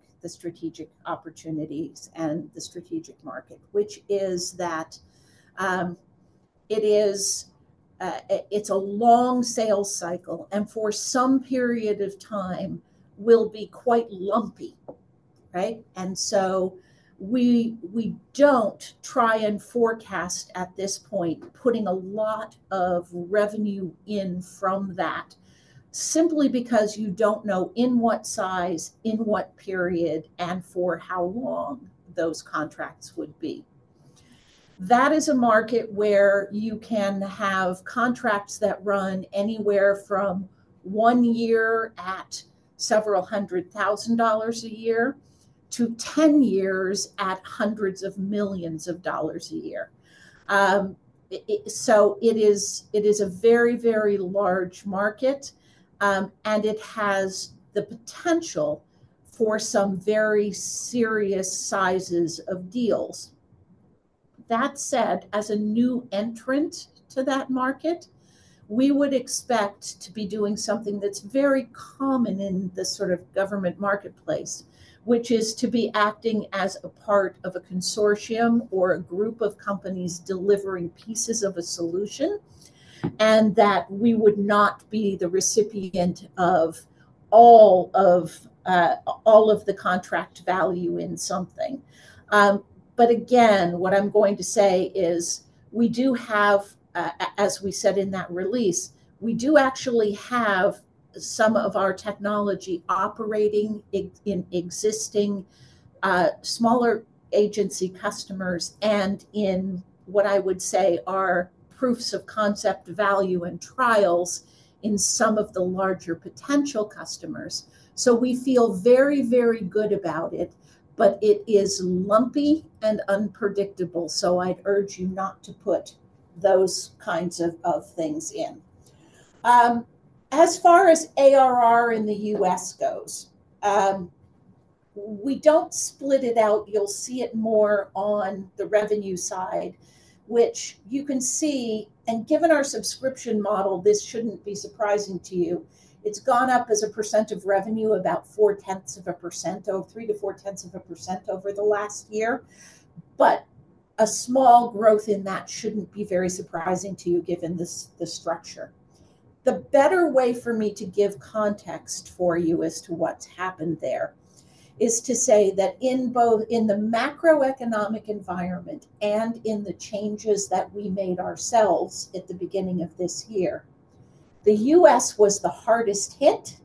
opportunities and the strategic market, which is that it's a long sales cycle. And for some period of time, will be quite lumpy, right? And so we don't try and forecast at this point putting a lot of revenue in from that simply because you don't know in what size, in what period, and for how long those contracts would be. That is a market where you can have contracts that run anywhere from one year at several hundred thousand dollars a year to 10 years at hundreds of millions of dollars a year. So it is a very, very large market. And it has the potential for some very serious sizes of deals. That said, as a new entrant to that market, we would expect to be doing something that's very common in the sort of government marketplace, which is to be acting as a part of a consortium or a group of companies delivering pieces of a solution and that we would not be the recipient of all of the contract value in something. But again, what I'm going to say is we do have, as we said in that release, we do actually have some of our technology operating in existing smaller agency customers and in what I would say are proofs of concept value and trials in some of the larger potential customers. So we feel very, very good about it. But it is lumpy and unpredictable. So I'd urge you not to put those kinds of things in. As far as ARR in the U.S. goes, we don't split it out. You'll see it more on the revenue side, which you can see. And given our subscription model, this shouldn't be surprising to you. It's gone up as a percent of revenue about 0.4%, 0.3%-0.4% over the last year. But a small growth in that shouldn't be very surprising to you given the structure. The better way for me to give context for you as to what's happened there is to say that in the macroeconomic environment and in the changes that we made ourselves at the beginning of this year, the U.S. was the hardest hit.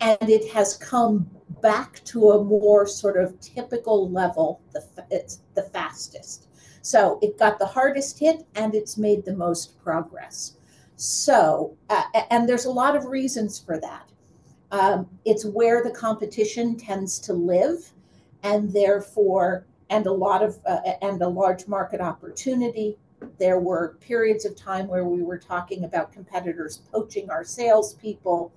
And it has come back to a more sort of typical level, the fastest. So it got the hardest hit. And it's made the most progress. There's a lot of reasons for that. It's where the competition tends to live. And therefore, a large market opportunity. There were periods of time where we were talking about competitors poaching our salespeople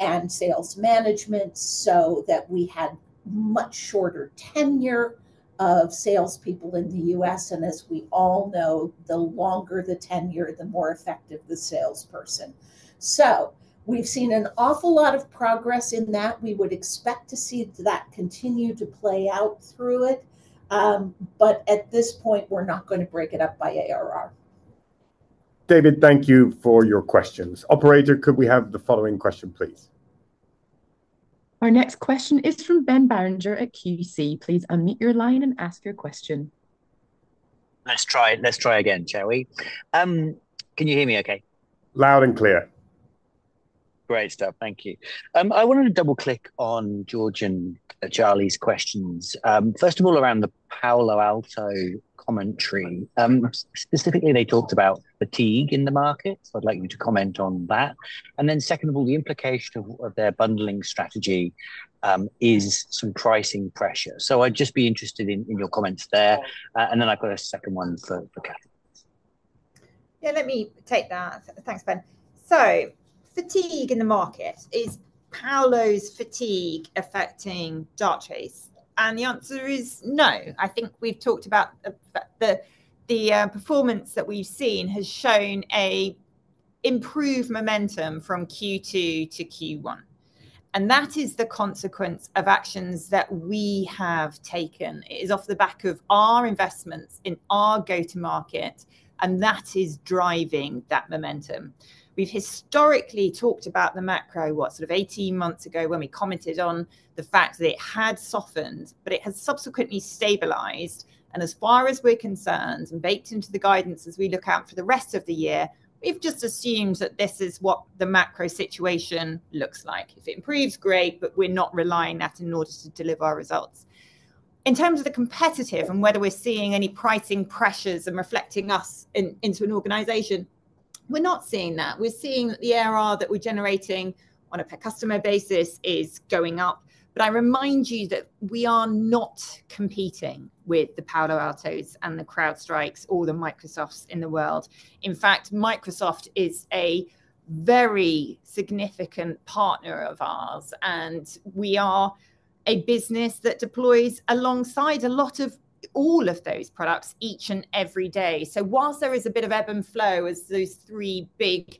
and sales management so that we had much shorter tenure of salespeople in the U.S. And as we all know, the longer the tenure, the more effective the salesperson. So we've seen an awful lot of progress in that. We would expect to see that continue to play out through it. But at this point, we're not going to break it up by ARR. David, thank you for your questions. Operator, could we have the following question, please? Our next question is from Ben Barringer at Quilter Cheviot. Please unmute your line and ask your question. Let's try again, shall we? Can you hear me okay? Loud and clear. Great stuff. Thank you. I wanted to double-click on George and Charlie's questions. First of all, around the Palo Alto commentary. Specifically, they talked about fatigue in the market. So I'd like you to comment on that. And then second of all, the implication of their bundling strategy is some pricing pressure. So I'd just be interested in your comments there. And then I've got a second one for Cathy. Yeah, let me take that. Thanks, Ben. So fatigue in the market, is Palo Alto's fatigue affecting Darktrace? And the answer is no. I think we've talked about the performance that we've seen has shown an improved momentum from Q2 to Q1. And that is the consequence of actions that we have taken. It is off the back of our investments in our go-to-market. And that is driving that momentum. We've historically talked about the macro, what, sort of 18 months ago when we commented on the fact that it had softened. But it has subsequently stabilized. And as far as we're concerned and baked into the guidance as we look out for the rest of the year, we've just assumed that this is what the macro situation looks like. If it improves, great. But we're not relying that in order to deliver our results. In terms of the competition and whether we're seeing any pricing pressures and impacting us in an organization, we're not seeing that. We're seeing that the ARR that we're generating on a per-customer basis is going up. But I remind you that we are not competing with the Palo Alto's and the CrowdStrike's or the Microsofts in the world. In fact, Microsoft is a very significant partner of ours. And we are a business that deploys alongside a lot of all of those products each and every day. So while there is a bit of ebb and flow as those three big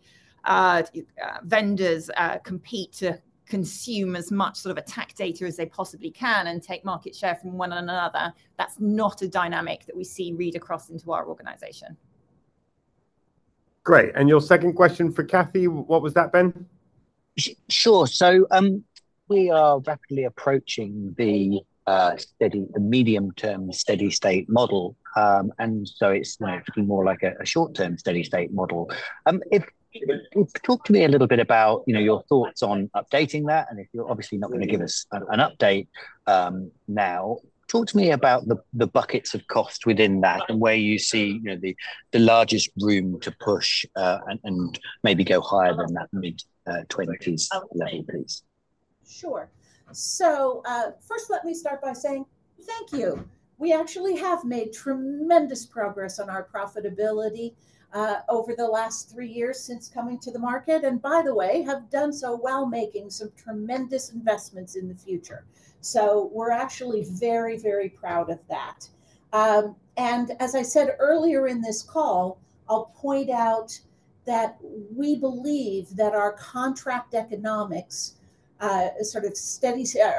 vendors compete to consume as much sort of attack data as they possibly can and take market share from one another, that's not a dynamic that we see read across into our organization. Great. And your second question for Cathy, what was that, Ben? Sure. So we are rapidly approaching the medium-term steady-state model. So it's actually more like a short-term steady-state model. Talk to me a little bit about your thoughts on updating that. If you're obviously not going to give us an update now, talk to me about the buckets of cost within that and where you see the largest room to push and maybe go higher than that mid-20s level, please. Sure. So first, let me start by saying thank you. We actually have made tremendous progress on our profitability over the last three years since coming to the market and, by the way, have done so well making some tremendous investments in the future. So we're actually very, very proud of that. And as I said earlier in this call, I'll point out that we believe that our contract economics, sort of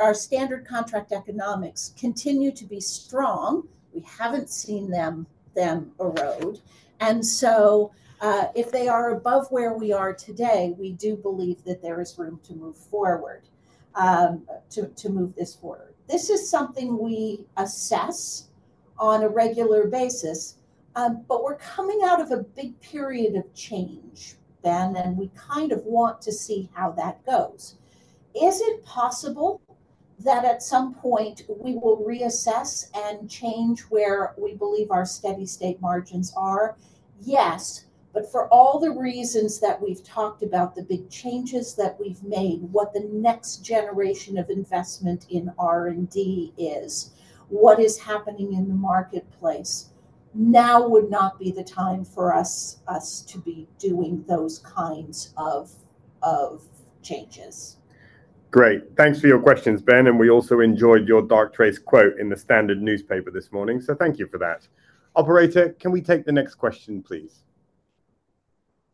our standard contract economics, continue to be strong. We haven't seen them erode. And so if they are above where we are today, we do believe that there is room to move forward, to move this forward. This is something we assess on a regular basis. But we're coming out of a big period of change, Ben. And we kind of want to see how that goes. Is it possible that at some point, we will reassess and change where we believe our steady-state margins are? Yes. But for all the reasons that we've talked about, the big changes that we've made, what the next generation of investment in R&D is, what is happening in the marketplace, now would not be the time for us to be doing those kinds of changes. Great. Thanks for your questions, Ben. We also enjoyed your Darktrace quote in the Standard newspaper this morning. Thank you for that. Operator, can we take the next question, please?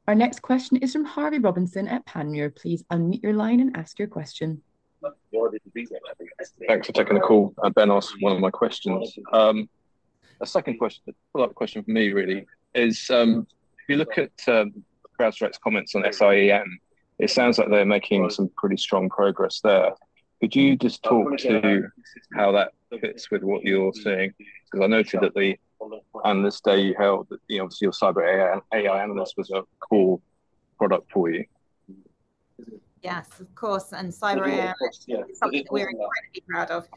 Our next question is from Harvey Robinson at Panmure Liberum. Please unmute your line and ask your question. Thanks for taking the call, Ben asked one of my questions. A second question, a follow-up question for me, really, is if you look at CrowdStrike's comments on SIEM, it sounds like they're making some pretty strong progress there. Could you just talk to how that fits with what you're saying? Because I noted that on this day, you held that obviously, your Cyber AI Analyst was a cool product for you. Yes, of course. And Cyber AI Analyst is something that we're incredibly proud of.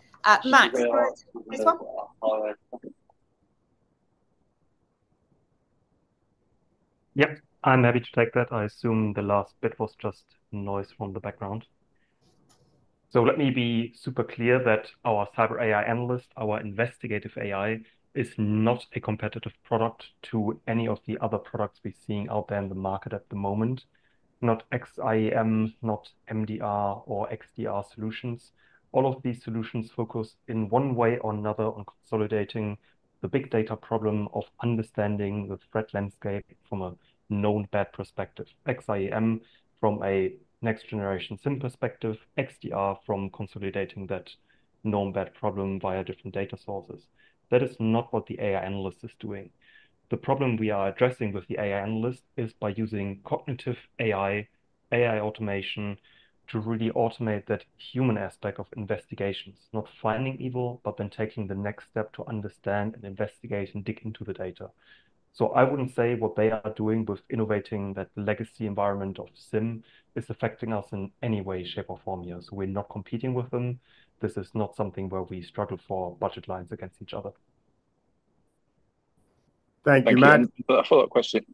Max, this one? Yep. I'm happy to take that. I assume the last bit was just noise from the background. So let me be super clear that our Cyber AI Analyst, our investigative AI, is not a competitive product to any of the other products we're seeing out there in the market at the moment, not SIEM, not MDR, or XDR solutions. All of these solutions focus in one way or another on consolidating the big data problem of understanding the threat landscape from a known bad perspective, SIEM from a next-generation SIEM perspective, XDR from consolidating that known bad problem via different data sources. That is not what the AI Analyst is doing. The problem we are addressing with the AI Analyst is by using cognitive AI, AI automation to really automate that human aspect of investigations, not finding evil, but then taking the next step to understand and investigate and dig into the data. So I wouldn't say what they are doing with innovating that legacy environment of SIEM is affecting us in any way, shape, or form here. So we're not competing with them. This is not something where we struggle for budget lines against each other. Thank you, Max. A follow-up question.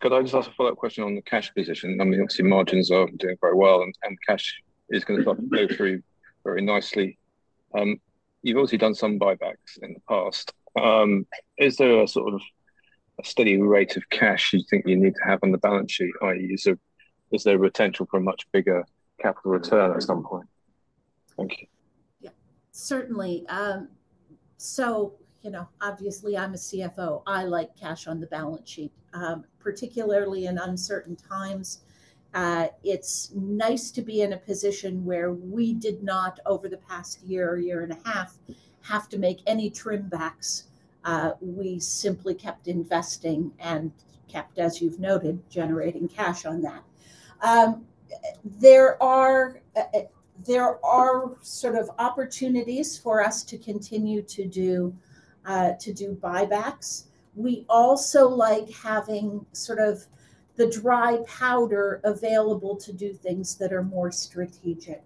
Could I just ask a follow-up question on the cash position? I mean, obviously, margins are doing very well. And cash is going to go through very nicely. You've obviously done some buybacks in the past. Is there a sort of a steady rate of cash you think you need to have on the balance sheet, i.e., is there a potential for a much bigger capital return at some point? Thank you. Yeah, certainly. So obviously, I'm a CFO. I like cash on the balance sheet, particularly in uncertain times. It's nice to be in a position where we did not, over the past year or year and a half, have to make any trim backs. We simply kept investing and kept, as you've noted, generating cash on that. There are sort of opportunities for us to continue to do buybacks. We also like having sort of the dry powder available to do things that are more strategic.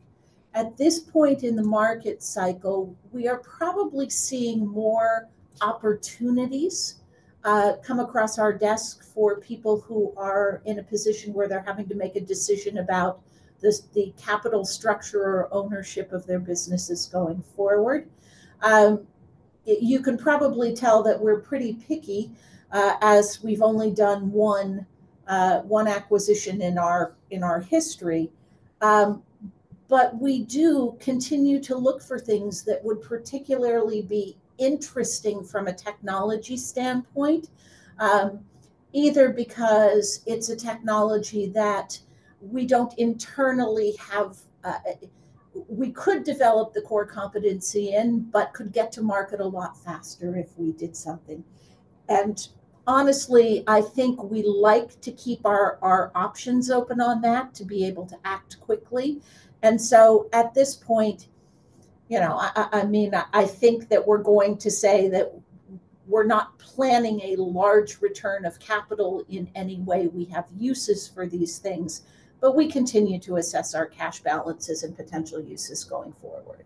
At this point in the market cycle, we are probably seeing more opportunities come across our desk for people who are in a position where they're having to make a decision about the capital structure or ownership of their businesses going forward. You can probably tell that we're pretty picky as we've only done one acquisition in our history. But we do continue to look for things that would particularly be interesting from a technology standpoint, either because it's a technology that we don't internally have, we could develop the core competency in but could get to market a lot faster if we did something. And honestly, I think we like to keep our options open on that to be able to act quickly. And so at this point, I mean, I think that we're going to say that we're not planning a large return of capital in any way. We have uses for these things. But we continue to assess our cash balances and potential uses going forward.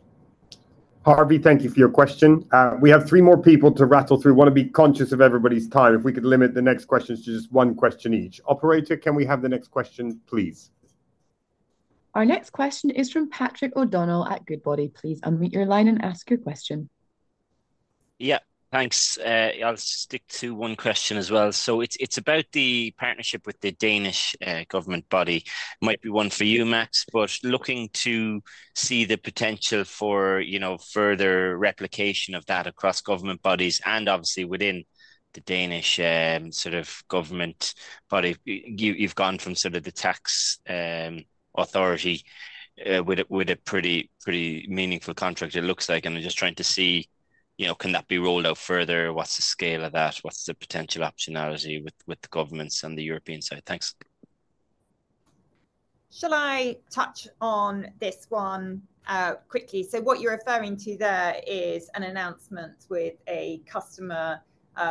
Harvey, thank you for your question. We have three more people to rattle through. I want to be conscious of everybody's time if we could limit the next questions to just one question each. Operator, can we have the next question, please? Our next question is from Patrick O'Donnell at Goodbody. Please unmute your line and ask your question. Yeah, thanks. I'll stick to one question as well. So it's about the partnership with the Danish government body. Might be one for you, Max, but looking to see the potential for further replication of that across government bodies and obviously within the Danish sort of government body. You've gone from sort of the tax authority with a pretty meaningful contract, it looks like. And I'm just trying to see, can that be rolled out further? What's the scale of that? What's the potential optionality with the governments on the European side? Thanks. Shall I touch on this one quickly? So what you're referring to there is an announcement with a customer,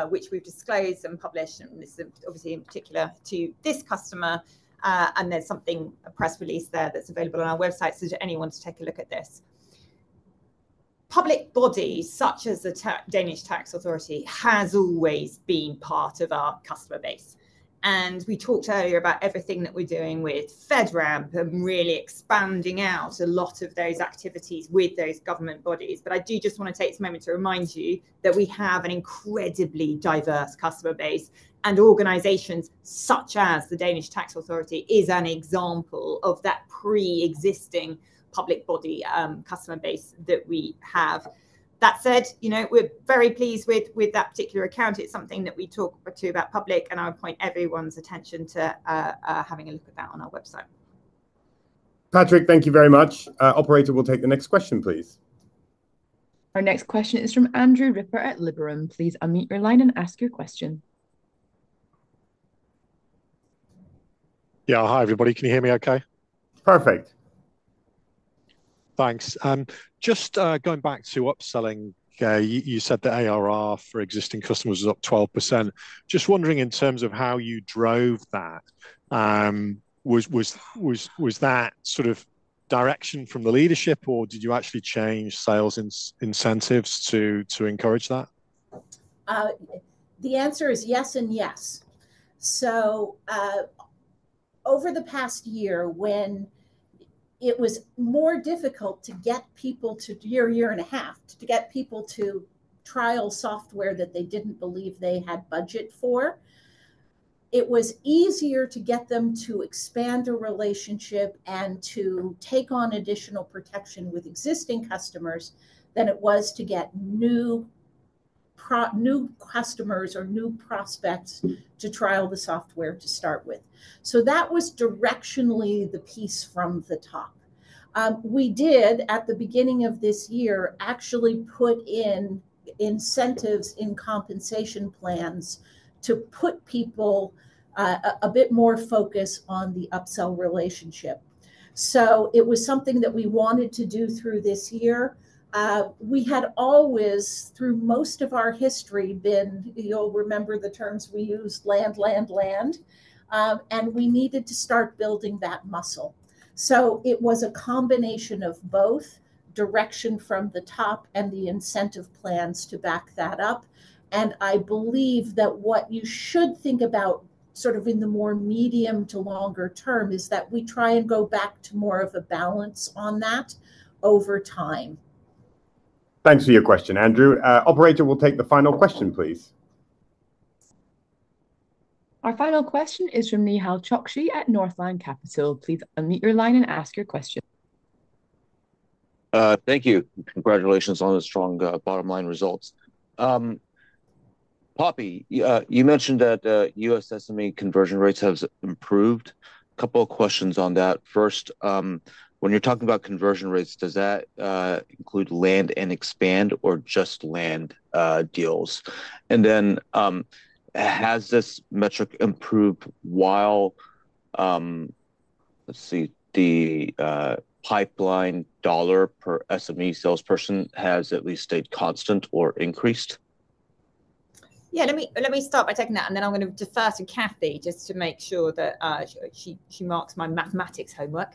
which we've disclosed and published, and this is obviously in particular to this customer. And there's something, a press release there, that's available on our website. So does anyone want to take a look at this? Public bodies, such as the Danish Tax Authority, have always been part of our customer base. And we talked earlier about everything that we're doing with FedRAMP and really expanding out a lot of those activities with those government bodies. But I do just want to take this moment to remind you that we have an incredibly diverse customer base. And organizations such as the Danish Tax Authority are an example of that pre-existing public body customer base that we have. That said, we're very pleased with that particular account. It's something that we talk about in public. I would point everyone's attention to having a look at that on our website. Patrick, thank you very much. Operator, we'll take the next question, please. Our next question is from Andrew Ripper at Liberum. Please unmute your line and ask your question. Yeah, hi, everybody. Can you hear me OK? Perfect. Thanks. Just going back to upselling, you said the ARR for existing customers was up 12%. Just wondering in terms of how you drove that. Was that sort of direction from the leadership? Or did you actually change sales incentives to encourage that? The answer is yes and yes. So over the past year, when it was more difficult to get people to year or year and a half to get people to trial software that they didn't believe they had budget for, it was easier to get them to expand a relationship and to take on additional protection with existing customers than it was to get new customers or new prospects to trial the software to start with. So that was directionally the piece from the top. We did, at the beginning of this year, actually put in incentives in compensation plans to put people a bit more focus on the upsell relationship. So it was something that we wanted to do through this year. We had always, through most of our history, been you'll remember the terms we used, land, land, land. And we needed to start building that muscle. So it was a combination of both direction from the top and the incentive plans to back that up. And I believe that what you should think about sort of in the more medium to longer term is that we try and go back to more of a balance on that over time. Thanks for your question, Andrew. Operator, we'll take the final question, please. Our final question is from Nehal Chokshi at Northland Capital Markets. Please unmute your line and ask your question. Thank you. Congratulations on the strong bottom-line results. Poppy, you mentioned that U.S. SME conversion rates have improved. A couple of questions on that. First, when you're talking about conversion rates, does that include land and expand or just land deals? And then has this metric improved while let's see, the pipeline dollar per SME salesperson has at least stayed constant or increased? Yeah, let me start by taking that. Then I'm going to defer to Cathy just to make sure that she marks my mathematics homework.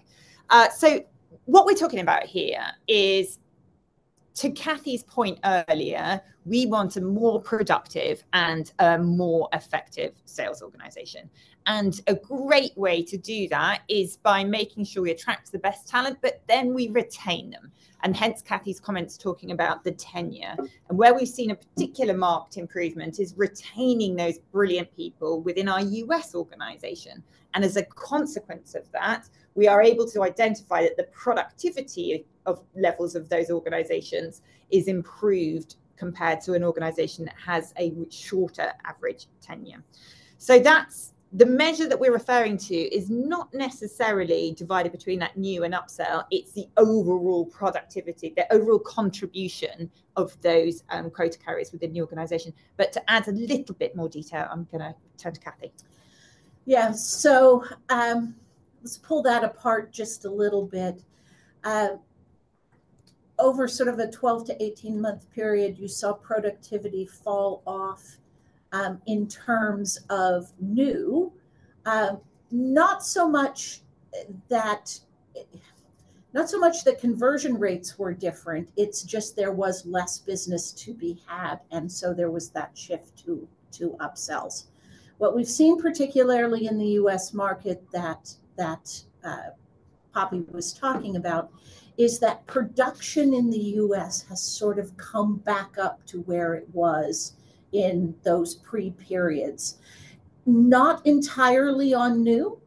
So what we're talking about here is, to Cathy's point earlier, we want a more productive and a more effective sales organization. A great way to do that is by making sure we attract the best talent, but then we retain them. Hence, Cathy's comments talking about the tenure. Where we've seen a particular marked improvement is retaining those brilliant people within our U.S. organization. As a consequence of that, we are able to identify that the productivity levels of those organizations are improved compared to an organization that has a shorter average tenure. So the measure that we're referring to is not necessarily divided between that new and upsell. It's the overall productivity, the overall contribution of those credit carriers within the organization. But to add a little bit more detail, I'm going to turn to Cathy. Yeah, so let's pull that apart just a little bit. Over sort of a 12-18-month period, you saw productivity fall off in terms of new. Not so much that the conversion rates were different. It's just there was less business to be had. And so there was that shift to upsells. What we've seen, particularly in the U.S. market that Poppy was talking about, is that production in the U.S. has sort of come back up to where it was in those pre-periods, not entirely on new,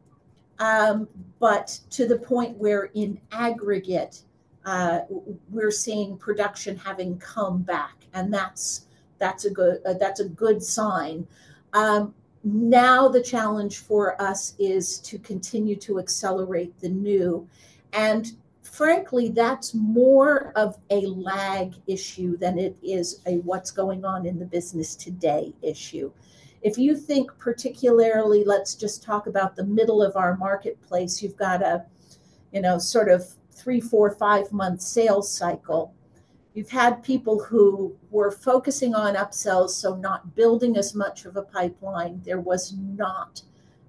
but to the point where in aggregate, we're seeing production having come back. And that's a good sign. Now, the challenge for us is to continue to accelerate the new. And frankly, that's more of a lag issue than it is a what's going on in the business today issue. If you think, particularly, let's just talk about the middle of our marketplace, you've got a sort of three, four, and four month sales cycle. You've had people who were focusing on upsells, so not building as much of a pipeline. There was not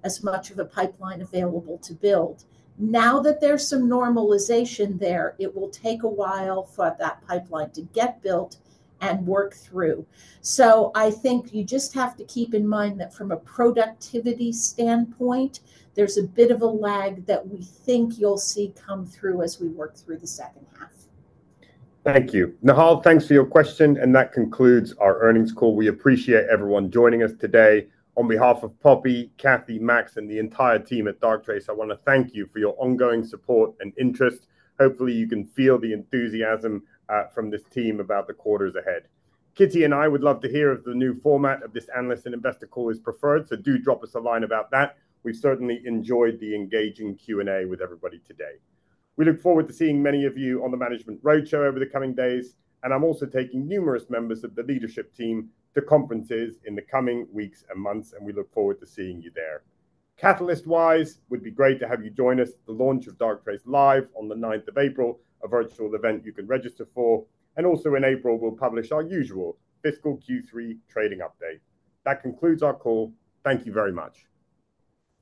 as much of a pipeline available to build. Now that there's some normalization there, it will take a while for that pipeline to get built and work through. So I think you just have to keep in mind that from a productivity standpoint, there's a bit of a lag that we think you'll see come through as we work through the second half. Thank you. Nehal, thanks for your question. That concludes our earnings call. We appreciate everyone joining us today. On behalf of Poppy, Cathy, Max, and the entire team at Darktrace, I want to thank you for your ongoing support and interest. Hopefully, you can feel the enthusiasm from this team about the quarters ahead. Kitty and I would love to hear if the new format of this analyst and investor call is preferred. So do drop us a line about that. We've certainly enjoyed the engaging Q&A with everybody today. We look forward to seeing many of you on the management roadshow over the coming days. I'm also taking numerous members of the leadership team to conferences in the coming weeks and months. We look forward to seeing you there. Catalyst-wise, it would be great to have you join us at the launch of Darktrace Live on the 9th of April, a virtual event you can register for. And also in April, we'll publish our usual fiscal Q3 trading update. That concludes our call. Thank you very much.